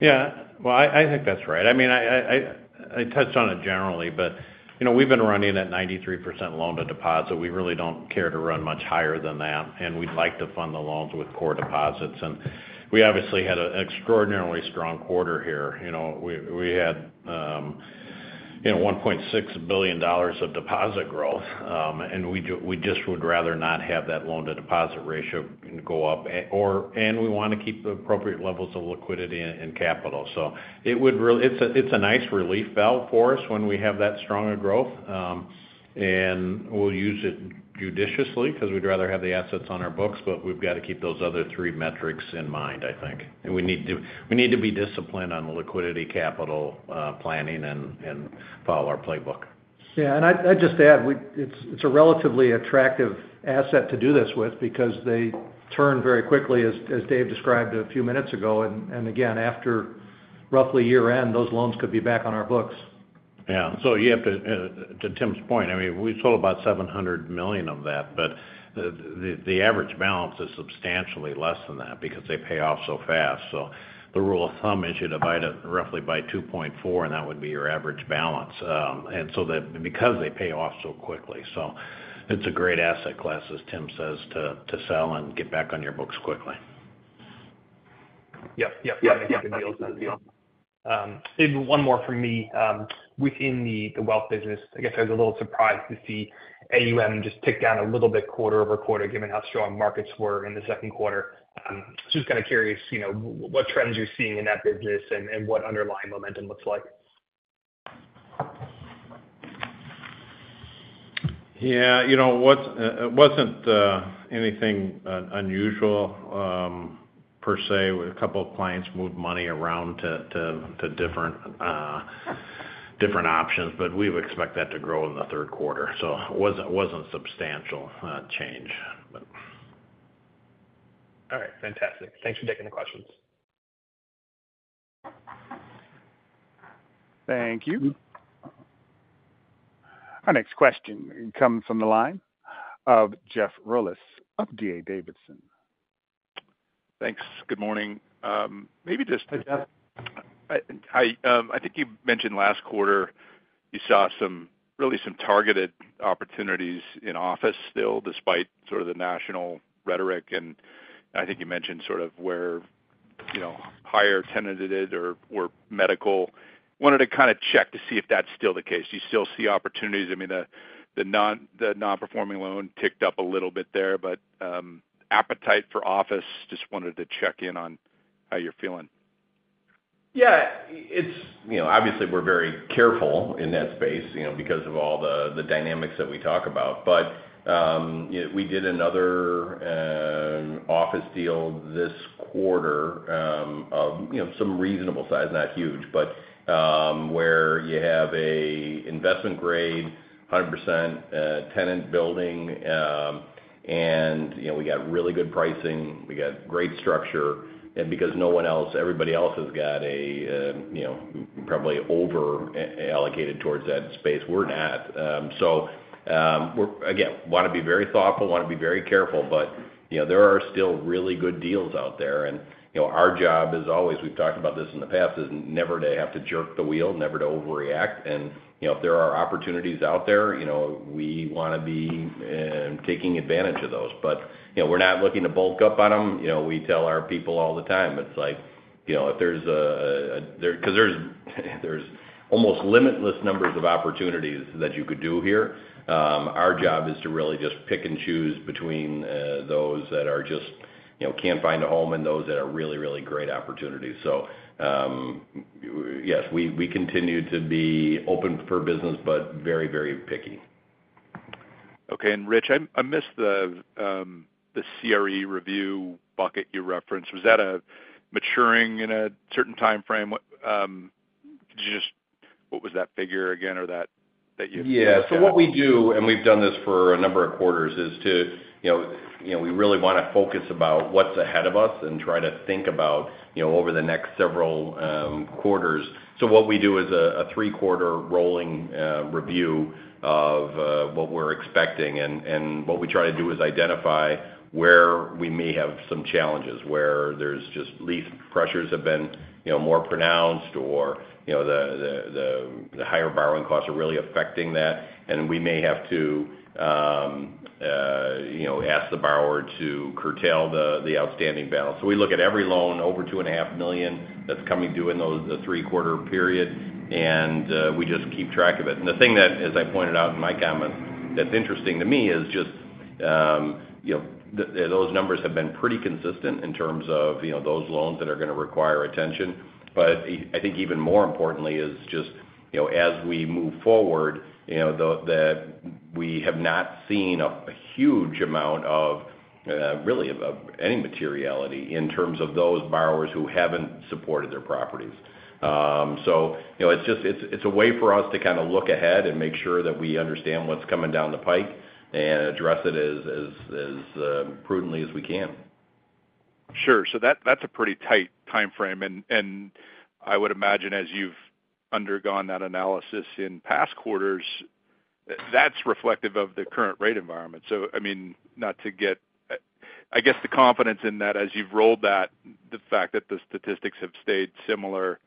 Yeah. Well, I think that's right. I mean, I touched on it generally, but, you know, we've been running at 93% loan-to-deposit. We really don't care to run much higher than that, and we'd like to fund the loans with core deposits. And we obviously had an extraordinarily strong quarter here. You know, we had $1.6 billion of deposit growth, and we just would rather not have that loan-to-deposit ratio go up, and we want to keep the appropriate levels of liquidity and capital. So it's a nice relief valve for us when we have that stronger growth. And we'll use it judiciously because we'd rather have the assets on our books, but we've got to keep those other three metrics in mind, I think. We need to, we need to be disciplined on the liquidity, capital, planning, and follow our playbook. Yeah, and I'd just add, we, it's a relatively attractive asset to do this with because they turn very quickly, as Dave described a few minutes ago. And again, after roughly year-end, those loans could be back on our books. Yeah. So you have to, to Tim's point, I mean, we sold about $700 million of that, but the average balance is substantially less than that because they pay off so fast. So the rule of thumb is you divide it roughly by 2.4, and that would be your average balance because they pay off so quickly. So it's a great asset class, as Tim says, to sell and get back on your books quickly. Yep, yep. Yep. Maybe one more from me. Within the wealth business, I guess I was a little surprised to see AUM just tick down a little bit quarter-over-quarter, given how strong markets were in the second quarter. Just kind of curious, you know, what trends you're seeing in that business and what underlying momentum looks like. Yeah, you know, it wasn't anything unusual, per se. A couple of clients moved money around to different options, but we would expect that to grow in the third quarter, so it wasn't substantial change, but... All right. Fantastic. Thanks for taking the questions. Thank you. Our next question comes from the line of Jeff Rulis of D.A. Davidson. Thanks. Good morning. Maybe just- Hey, Jeff. I, I think you mentioned last quarter you saw some really some targeted opportunities in office still, despite sort of the national rhetoric, and I think you mentioned sort of where, you know, higher tenanted it or were medical. Wanted to kind of check to see if that's still the case. Do you still see opportunities? I mean, the non-performing loan ticked up a little bit there, but appetite for office, just wanted to check in on how you're feeling. Yeah, it's. You know, obviously, we're very careful in that space, you know, because of all the dynamics that we talk about. But, you know, we did another office deal this quarter, of, you know, some reasonable size, not huge, but, where you have a investment-grade, 100%, tenant building.... and, you know, we got really good pricing, we got great structure, and because no one else, everybody else has got a, you know, probably over-allocated towards that space, we're not. So, we're again wanna be very thoughtful, wanna be very careful, but, you know, there are still really good deals out there. And, you know, our job, as always, we've talked about this in the past, is never to have to jerk the wheel, never to overreact. And, you know, if there are opportunities out there, you know, we wanna be taking advantage of those. But, you know, we're not looking to bulk up on them. You know, we tell our people all the time, it's like, you know, if there's a there, 'cause there's almost limitless numbers of opportunities that you could do here. Our job is to really just pick and choose between those that are just, you know, can't find a home and those that are really, really great opportunities. So, yes, we continue to be open for business, but very, very picky. Okay. And Rich, I, I missed the, the CRE review bucket you referenced. Was that a maturing in a certain timeframe? What, could you just—what was that figure again, or that, that you looked at? Yeah. So what we do, and we've done this for a number of quarters, is to, you know, you know, we really wanna focus about what's ahead of us and try to think about, you know, over the next several quarters. So what we do is a three-quarter rolling review of what we're expecting. And what we try to do is identify where we may have some challenges, where there's just lease pressures have been, you know, more pronounced or, you know, the higher borrowing costs are really affecting that, and we may have to, you know, ask the borrower to curtail the outstanding balance. So we look at every loan over $2.5 million that's coming due in those the three-quarter period, and we just keep track of it. The thing that, as I pointed out in my comments, that's interesting to me is just, you know, those numbers have been pretty consistent in terms of, you know, those loans that are gonna require attention. But I think even more importantly is just, you know, as we move forward, you know, that we have not seen a huge amount of really of any materiality in terms of those borrowers who haven't supported their properties. So, you know, it's just a way for us to kind of look ahead and make sure that we understand what's coming down the pike and address it as prudently as we can. Sure. So that, that's a pretty tight timeframe, and, and I would imagine, as you've undergone that analysis in past quarters, that's reflective of the current rate environment. So I mean, not to get... I, I guess, the confidence in that as you've rolled that, the fact that the statistics have stayed similar,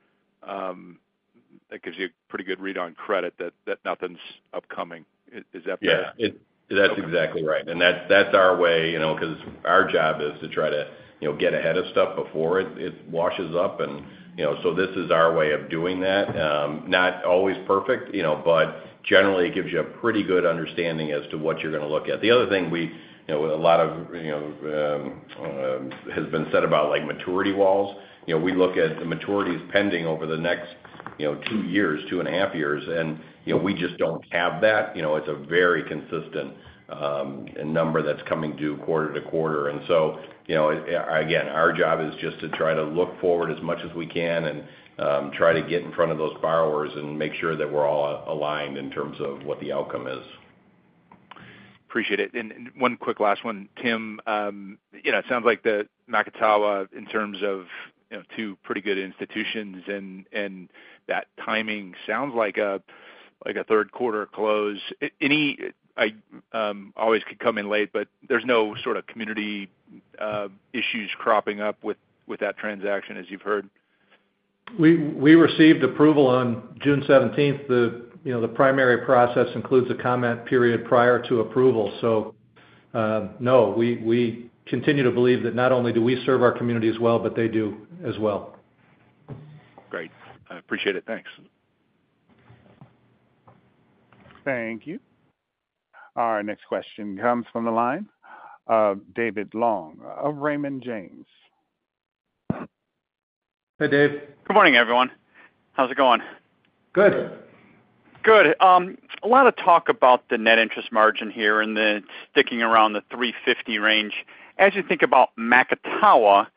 that gives you a pretty good read on credit that, that nothing's upcoming. Is, is that fair? Yeah. Okay. That's exactly right, and that, that's our way, you know, 'cause our job is to try to, you know, get ahead of stuff before it washes up and, you know, so this is our way of doing that. Not always perfect, you know, but generally, it gives you a pretty good understanding as to what you're gonna look at. The other thing we, you know, a lot of, you know, has been said about, like, maturity walls. You know, we look at the maturities pending over the next, you know, two years, two and a half years, and, you know, we just don't have that. You know, it's a very consistent number that's coming due quarter to quarter. And so, you know, again, our job is just to try to look forward as much as we can and try to get in front of those borrowers and make sure that we're all aligned in terms of what the outcome is. Appreciate it. And one quick last one. Tim, you know, it sounds like the Macatawa, in terms of, you know, two pretty good institutions and that timing sounds like a, like a third quarter close. Any, I always could come in late, but there's no sort of community issues cropping up with that transaction, as you've heard? We received approval on June seventeenth. You know, the primary process includes a comment period prior to approval. So, no, we continue to believe that not only do we serve our community as well, but they do as well. Great. I appreciate it. Thanks. Thank you. Our next question comes from the line of David Long of Raymond James. Hi, Dave. Good morning, everyone. How's it going? Good. Good. A lot of talk about the net interest margin here and the sticking around the 3.50 range. As you think about Macatawa,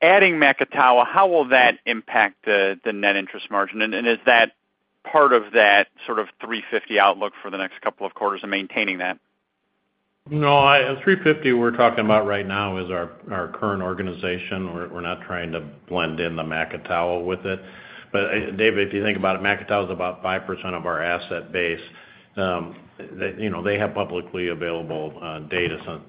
adding Macatawa, how will that impact the net interest margin? And is that part of that sort of 3.50 outlook for the next couple of quarters and maintaining that? No, at 3.50, we're talking about right now is our current organization. We're not trying to blend in the Macatawa with it. But, David, if you think about it, Macatawa is about 5% of our asset base. They, you know, they have publicly available data, so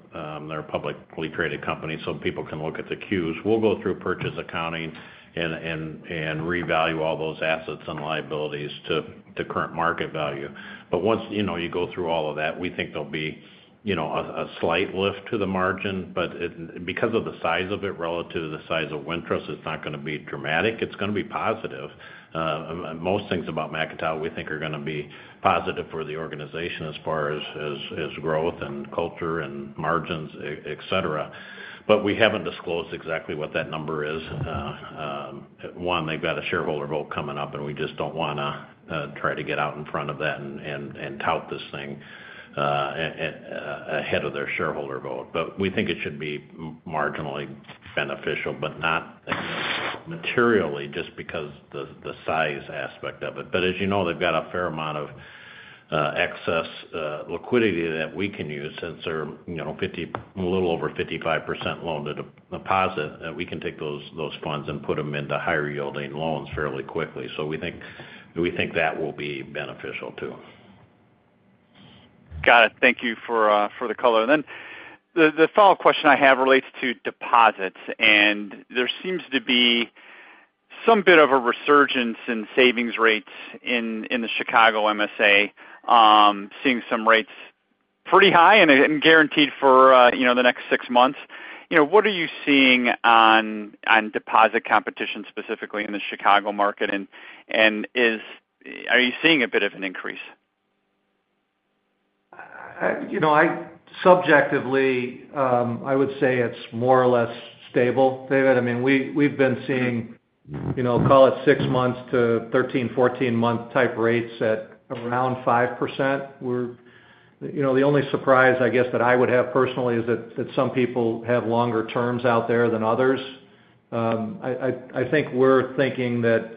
they're a publicly traded company, so people can look at the Q's. We'll go through purchase accounting and revalue all those assets and liabilities to current market value. But once, you know, you go through all of that, we think there'll be, you know, a slight lift to the margin, but it, because of the size of it relative to the size of Wintrust, it's not gonna be dramatic. It's gonna be positive. Most things about Macatawa we think are gonna be positive for the organization as far as growth and culture and margins, et cetera. But we haven't disclosed exactly what that number is. One, they've got a shareholder vote coming up, and we just don't wanna try to get out in front of that and tout this thing ahead of their shareholder vote. But we think it should be marginally beneficial, but not materially just because the size aspect of it. But as you know, they've got a fair amount of excess liquidity that we can use since they're a little over 55% loan to deposit, and we can take those funds and put them into higher yielding loans fairly quickly. We think, we think that will be beneficial too. Got it. Thank you for the color. Then the follow-up question I have relates to deposits, and there seems to be some bit of a resurgence in savings rates in the Chicago MSA, seeing some rates pretty high and guaranteed for you know, the next six months. You know, what are you seeing on deposit competition, specifically in the Chicago market? And are you seeing a bit of an increase? You know, I subjectively, I would say it's more or less stable, David. I mean, we've been seeing, you know, call it 6 months to 13, 14-month type rates at around 5%. You know, the only surprise, I guess, that I would have personally is that some people have longer terms out there than others. I think we're thinking that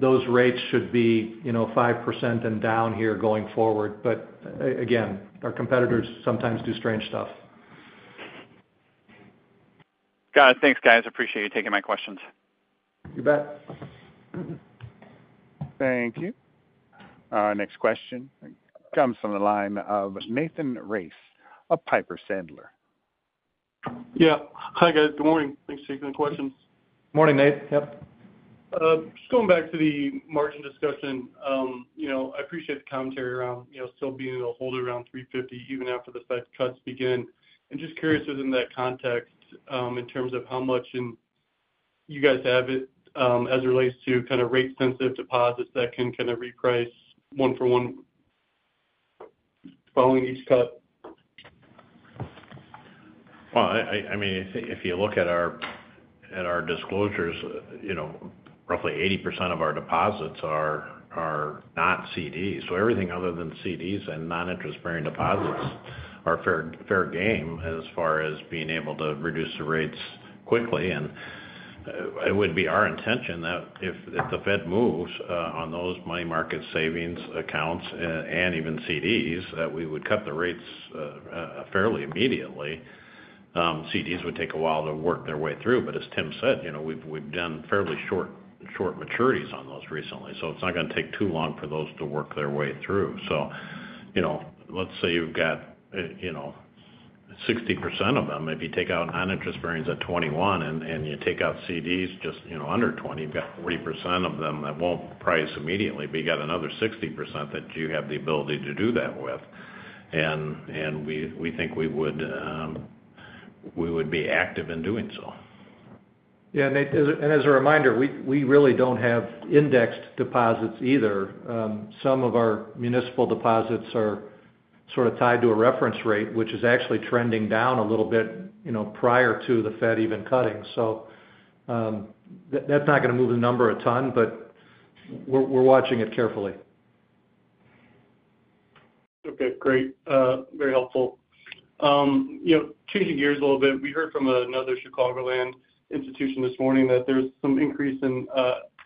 those rates should be, you know, 5% and down here going forward. But again, our competitors sometimes do strange stuff. Got it. Thanks, guys. I appreciate you taking my questions. You bet. Thank you. Our next question comes from the line of Nathan Race of Piper Sandler. Yeah. Hi, guys. Good morning. Thanks for taking the questions. Morning, Nate. Yep. Just going back to the margin discussion. You know, I appreciate the commentary around, you know, still being able to hold around 3.50 even after the Fed cuts begin. I'm just curious within that context, in terms of how much in you guys have it, as it relates to kind of rate sensitive deposits that can kind of reprice one for one following each cut? Well, I mean, if you look at our disclosures, you know, roughly 80% of our deposits are not CDs. So everything other than CDs and non-interest bearing deposits are fair game as far as being able to reduce the rates quickly. And it would be our intention that if the Fed moves on those money market savings accounts and even CDs, that we would cut the rates fairly immediately. CDs would take a while to work their way through, but as Tim said, you know, we've done fairly short maturities on those recently, so it's not gonna take too long for those to work their way through. So, you know, let's say you've got, you know, 60% of them. If you take out non-interest bearings at 21 and you take out CDs, just, you know, under 20, you've got 40% of them that won't price immediately, but you got another 60% that you have the ability to do that with. And we think we would be active in doing so. Yeah, Nate, as a reminder, we really don't have indexed deposits either. Some of our municipal deposits are sort of tied to a reference rate, which is actually trending down a little bit, you know, prior to the Fed even cutting. So, that's not gonna move the number a ton, but we're watching it carefully. Okay, great. Very helpful. You know, changing gears a little bit. We heard from another Chicagoland institution this morning that there's some increase in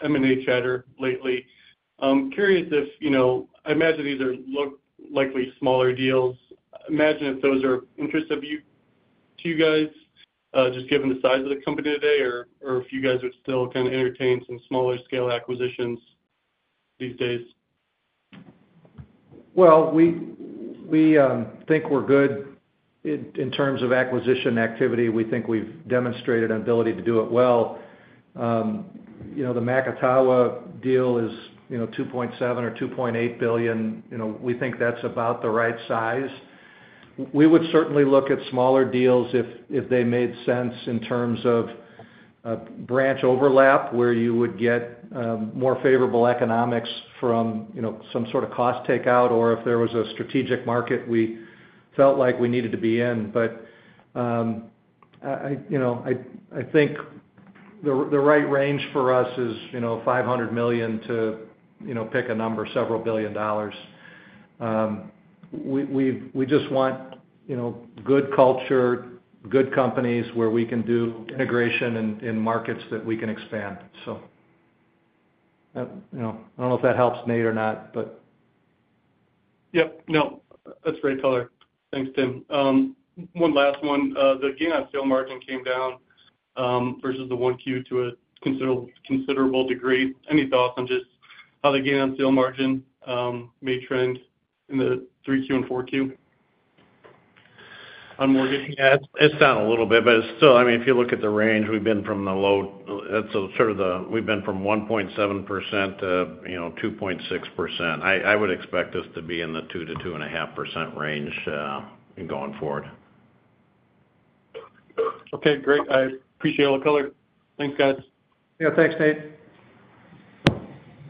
M&A chatter lately. I'm curious if, you know, I imagine these are likely smaller deals. I imagine if those are of interest to you guys, just given the size of the company today, or if you guys would still kind of entertain some smaller scale acquisitions these days? Well, we think we're good in terms of acquisition activity. We think we've demonstrated an ability to do it well. You know, the Macatawa deal is, you know, $2.7 billion or $2.8 billion. You know, we think that's about the right size. We would certainly look at smaller deals if they made sense in terms of branch overlap, where you would get more favorable economics from, you know, some sort of cost takeout, or if there was a strategic market we felt like we needed to be in. But I think the right range for us is, you know, $500 million to, you know, pick a number, several billion dollars. We've just want, you know, good culture, good companies where we can do integration in markets that we can expand. So, you know, I don't know if that helps, Nate, or not, but... Yep, no, that's great color. Thanks, Tim. One last one. The gain on sale margin came down versus 1Q to a considerable, considerable degree. Any thoughts on just how the gain on sale margin may trend in the 3Q and 4Q on mortgage? Yeah, it's, it's down a little bit, but it's still... I mean, if you look at the range, we've been from the low, so sort of the—we've been from 1.7%-2.6%. I, I would expect us to be in the 2%-2.5% range, going forward. Okay, great. I appreciate all the color. Thanks, guys. Yeah, thanks, Nate.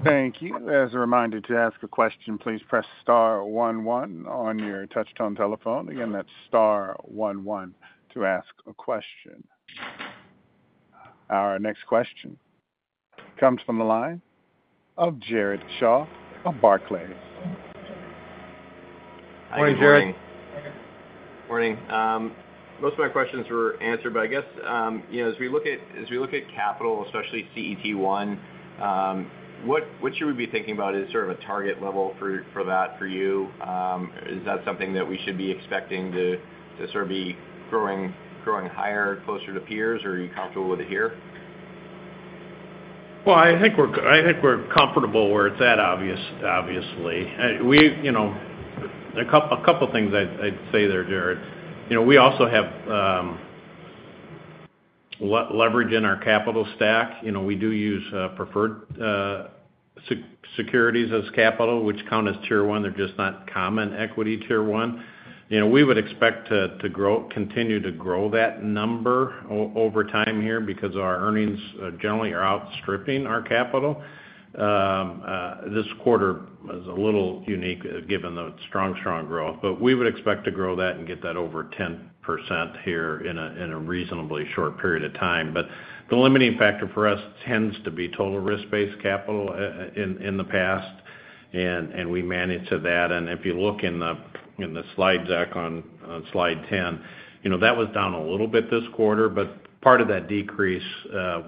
Thank you. As a reminder to ask a question, please press star one one on your touchtone telephone. Again, that's star one one to ask a question. Our next question comes from the line of Jared Shaw of Barclays. Hi, good morning. Morning. Most of my questions were answered, but I guess, you know, as we look at capital, especially CET1, what should we be thinking about as sort of a target level for that for you? Is that something that we should be expecting to sort of be growing higher, closer to peers, or are you comfortable with it here? Well, I think we're comfortable where it's at, obviously. We, you know, a couple things I'd say there, Jared. You know, we also have leverage in our capital stack. You know, we do use preferred securities as capital, which count as Tier 1. They're just not common equity Tier 1. You know, we would expect to continue to grow that number over time here because our earnings generally are outstripping our capital. This quarter is a little unique, given the strong growth, but we would expect to grow that and get that over 10% here in a reasonably short period of time. But the limiting factor for us tends to be total risk-based capital in the past, and we manage to that. And if you look in the slide deck on slide 10, you know, that was down a little bit this quarter, but part of that decrease,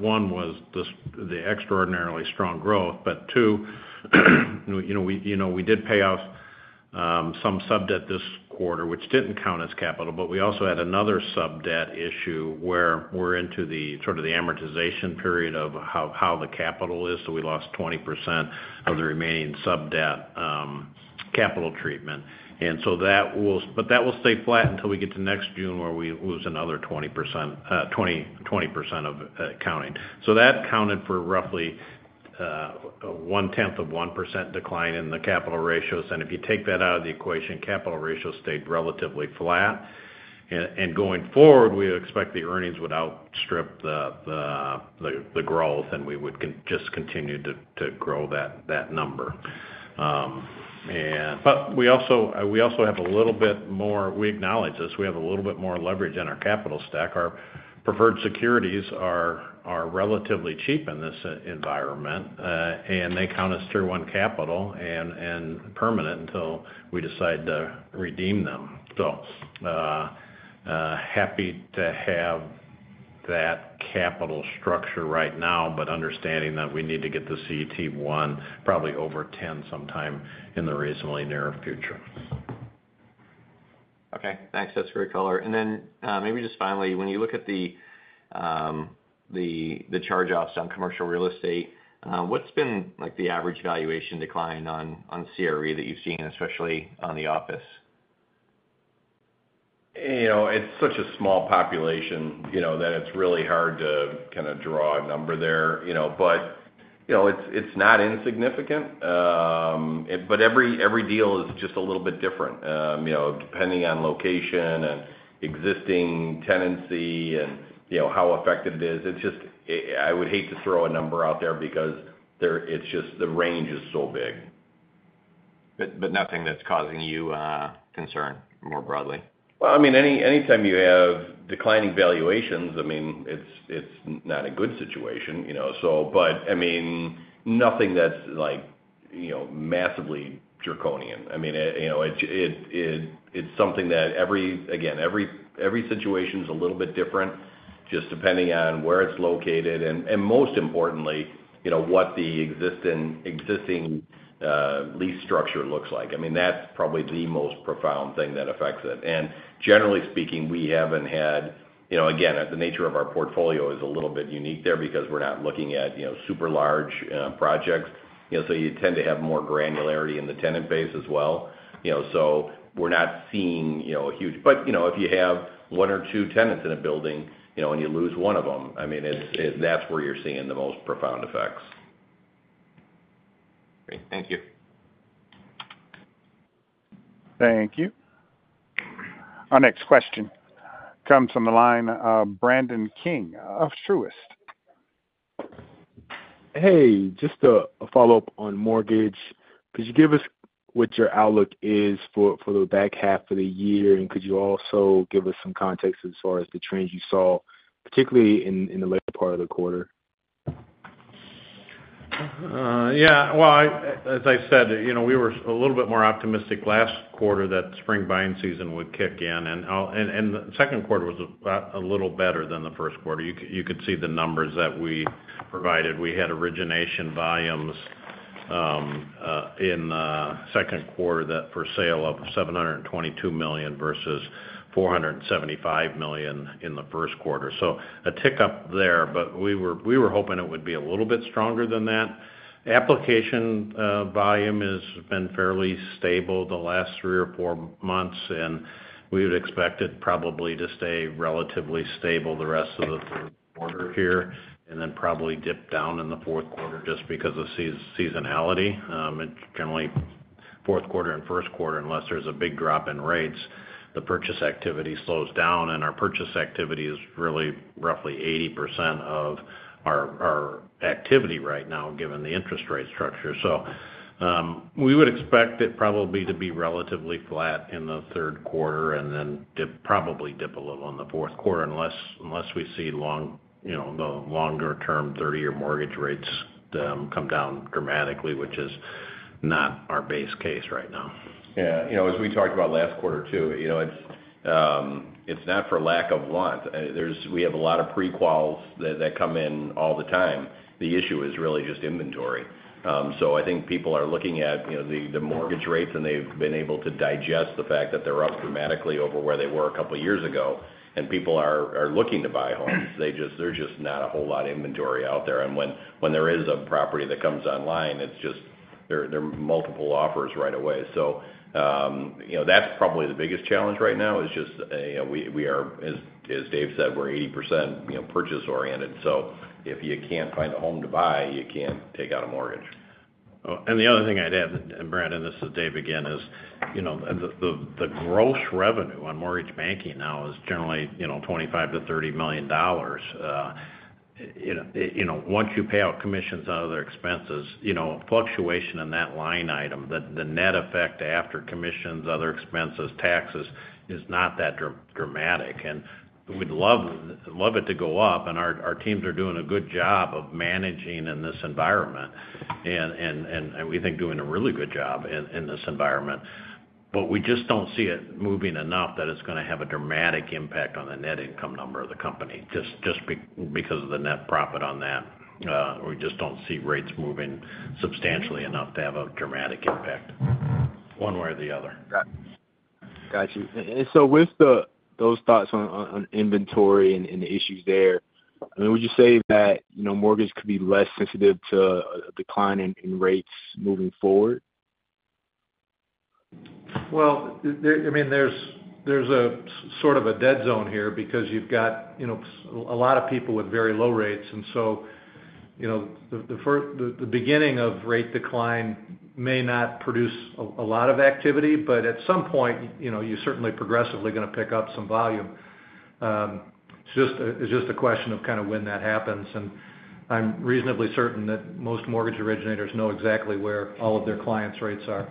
one, was the extraordinarily strong growth, but two, you know, we did pay off some sub-debt this quarter, which didn't count as capital, but we also had another sub-debt issue where we're into the amortization period of how the capital is. So we lost 20% of the remaining sub-debt capital treatment. And so that will, but that will stay flat until we get to next June, where we lose another 20% of counting. So that counted for roughly 0.1% decline in the capital ratios, and if you take that out of the equation, capital ratios stayed relatively flat. And going forward, we expect the earnings would outstrip the growth, and we would just continue to grow that number. But we also have a little bit more... We acknowledge this. We have a little bit more leverage in our capital stack. Our preferred securities are relatively cheap in this environment, and they count as Tier 1 capital and permanent until we decide to redeem them. So, happy to have that capital structure right now, but understanding that we need to get the CET1 probably over 10% sometime in the reasonably near future. Okay. Thanks, that's great color. And then, maybe just finally, when you look at the charge-offs on commercial real estate, what's been, like, the average valuation decline on CRE that you've seen, especially on the office? You know, it's such a small population, you know, that it's really hard to kind of draw a number there, you know. But, you know, it's not insignificant. But every, every deal is just a little bit different, you know, depending on location and existing tenancy and, you know, how effective it is. It's just, I would hate to throw a number out there because it's just the range is so big. But nothing that's causing you concern more broadly? Well, I mean, anytime you have declining valuations, I mean, it's not a good situation, you know, so... But I mean, nothing that's like, you know, massively draconian. I mean, you know, it's something that every... again, every situation's a little bit different, just depending on where it's located, and most importantly, you know, what the existing lease structure looks like. I mean, that's probably the most profound thing that affects it. And generally speaking, we haven't had... You know, again, the nature of our portfolio is a little bit unique there because we're not looking at, you know, super large projects. You know, so you tend to have more granularity in the tenant base as well. You know, so we're not seeing, you know, a huge but, you know, if you have one or two tenants in a building, you know, and you lose one of them, I mean, it's, that's where you're seeing the most profound effects. Great. Thank you. Thank you. Our next question comes from the line of Brandon King of Truist. Hey, just a follow-up on mortgage. Could you give us what your outlook is for the back half of the year? And could you also give us some context as far as the trends you saw, particularly in the latter part of the quarter? Yeah. Well, as I said, you know, we were a little bit more optimistic last quarter that spring buying season would kick in, and the second quarter was a little better than the first quarter. You could see the numbers that we provided. We had origination volumes in the second quarter, that for sale, of $722 million versus $475 million in the first quarter. So a tick-up there, but we were, we were hoping it would be a little bit stronger than that. Application volume has been fairly stable the last three or four months, and we would expect it probably to stay relatively stable the rest of the third quarter here, and then probably dip down in the fourth quarter just because of seasonality. It's generally fourth quarter and first quarter, unless there's a big drop in rates, the purchase activity slows down, and our purchase activity is really roughly 80% of our, our activity right now, given the interest rate structure. So, we would expect it probably to be relatively flat in the third quarter and then dip probably dip a little in the fourth quarter, unless we see, you know, the longer-term 30-year mortgage rates come down dramatically, which is-... not our base case right now. Yeah, you know, as we talked about last quarter, too, you know, it's not for lack of want. There's we have a lot of pre-quals that come in all the time. The issue is really just inventory. So I think people are looking at, you know, the mortgage rates, and they've been able to digest the fact that they're up dramatically over where they were a couple years ago, and people are looking to buy homes. They just. There's just not a whole lot of inventory out there, and when there is a property that comes online, it's just there are multiple offers right away. So, you know, that's probably the biggest challenge right now, is just we are, as Dave said, we're 80%, you know, purchase-oriented. If you can't find a home to buy, you can't take out a mortgage. Well, and the other thing I'd add, and Brandon, this is Dave again, is, you know, the gross revenue on mortgage banking now is generally, you know, $25 million-$30 million. You know, once you pay out commissions on other expenses, you know, fluctuation in that line item, the net effect after commissions, other expenses, taxes, is not that dramatic. And we'd love it to go up, and our teams are doing a good job of managing in this environment. And we think doing a really good job in this environment. But we just don't see it moving enough that it's gonna have a dramatic impact on the net income number of the company, just because of the net profit on that. We just don't see rates moving substantially enough to have a dramatic impact, one way or the other. Got it. Got you. And so with those thoughts on inventory and the issues there, I mean, would you say that, you know, mortgage could be less sensitive to a decline in rates moving forward? Well, I mean, there's a sort of a dead zone here because you've got, you know, a lot of people with very low rates. And so, you know, the beginning of rate decline may not produce a lot of activity, but at some point, you know, you're certainly progressively gonna pick up some volume. It's just a question of kind of when that happens, and I'm reasonably certain that most mortgage originators know exactly where all of their clients' rates are.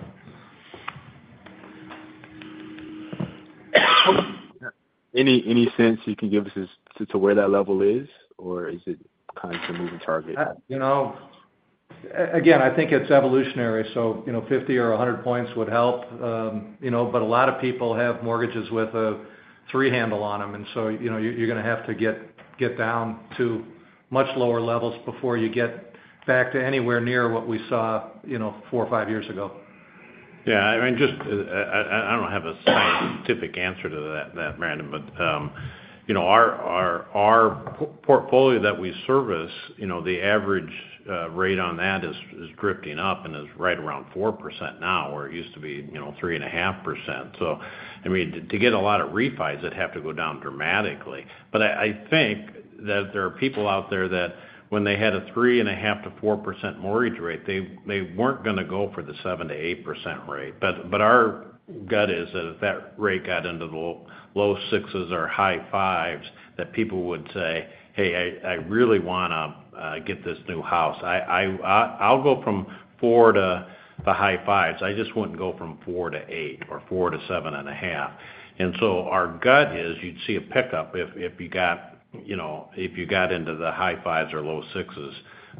Any sense you can give us as to where that level is, or is it kind of a moving target? You know, again, I think it's evolutionary, so, you know, 50 or 100 points would help. You know, but a lot of people have mortgages with a 3 handle on them, and so, you know, you're gonna have to get down to much lower levels before you get back to anywhere near what we saw, you know, 4 or 5 years ago. Yeah, I mean, just, I don't have a scientific answer to that, Brandon. But, you know, our portfolio that we service, you know, the average rate on that is drifting up and is right around 4% now, where it used to be, you know, 3.5%. So, I mean, to get a lot of refis, it'd have to go down dramatically. But I think that there are people out there that when they had a 3.5%-4% mortgage rate, they weren't gonna go for the 7%-8% rate. But our gut is that if that rate got into the low sixes or high fives, that people would say, "Hey, I really wanna get this new house. I... I'll go from 4 to the high 5s. I just wouldn't go from 4 to 8 or 4 to 7.5." And so our gut is you'd see a pickup if you got, you know, if you got into the high 5s or low 6s.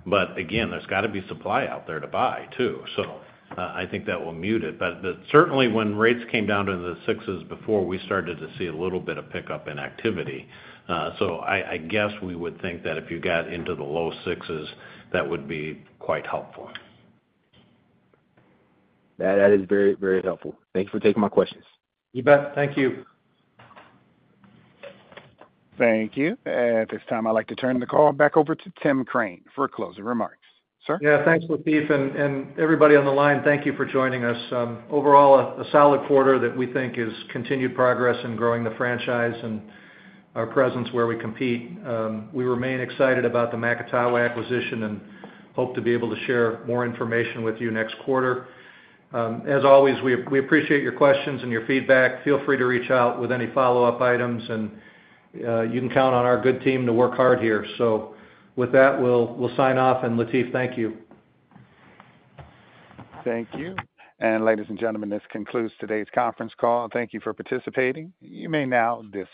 But again, there's got to be supply out there to buy, too. So, I think that will mute it. But certainly, when rates came down to the 6s before, we started to see a little bit of pickup in activity. So I guess we would think that if you got into the low 6s, that would be quite helpful. That, that is very, very helpful. Thank you for taking my questions. You bet. Thank you. Thank you. At this time, I'd like to turn the call back over to Tim Crane for closing remarks. Sir? Yeah, thanks, Latiff, and everybody on the line, thank you for joining us. Overall, a solid quarter that we think is continued progress in growing the franchise and our presence where we compete. We remain excited about the Macatawa acquisition and hope to be able to share more information with you next quarter. As always, we appreciate your questions and your feedback. Feel free to reach out with any follow-up items, and you can count on our good team to work hard here. So with that, we'll sign off. And Latiff, thank you. Thank you. Ladies and gentlemen, this concludes today's conference call. Thank you for participating. You may now disconnect.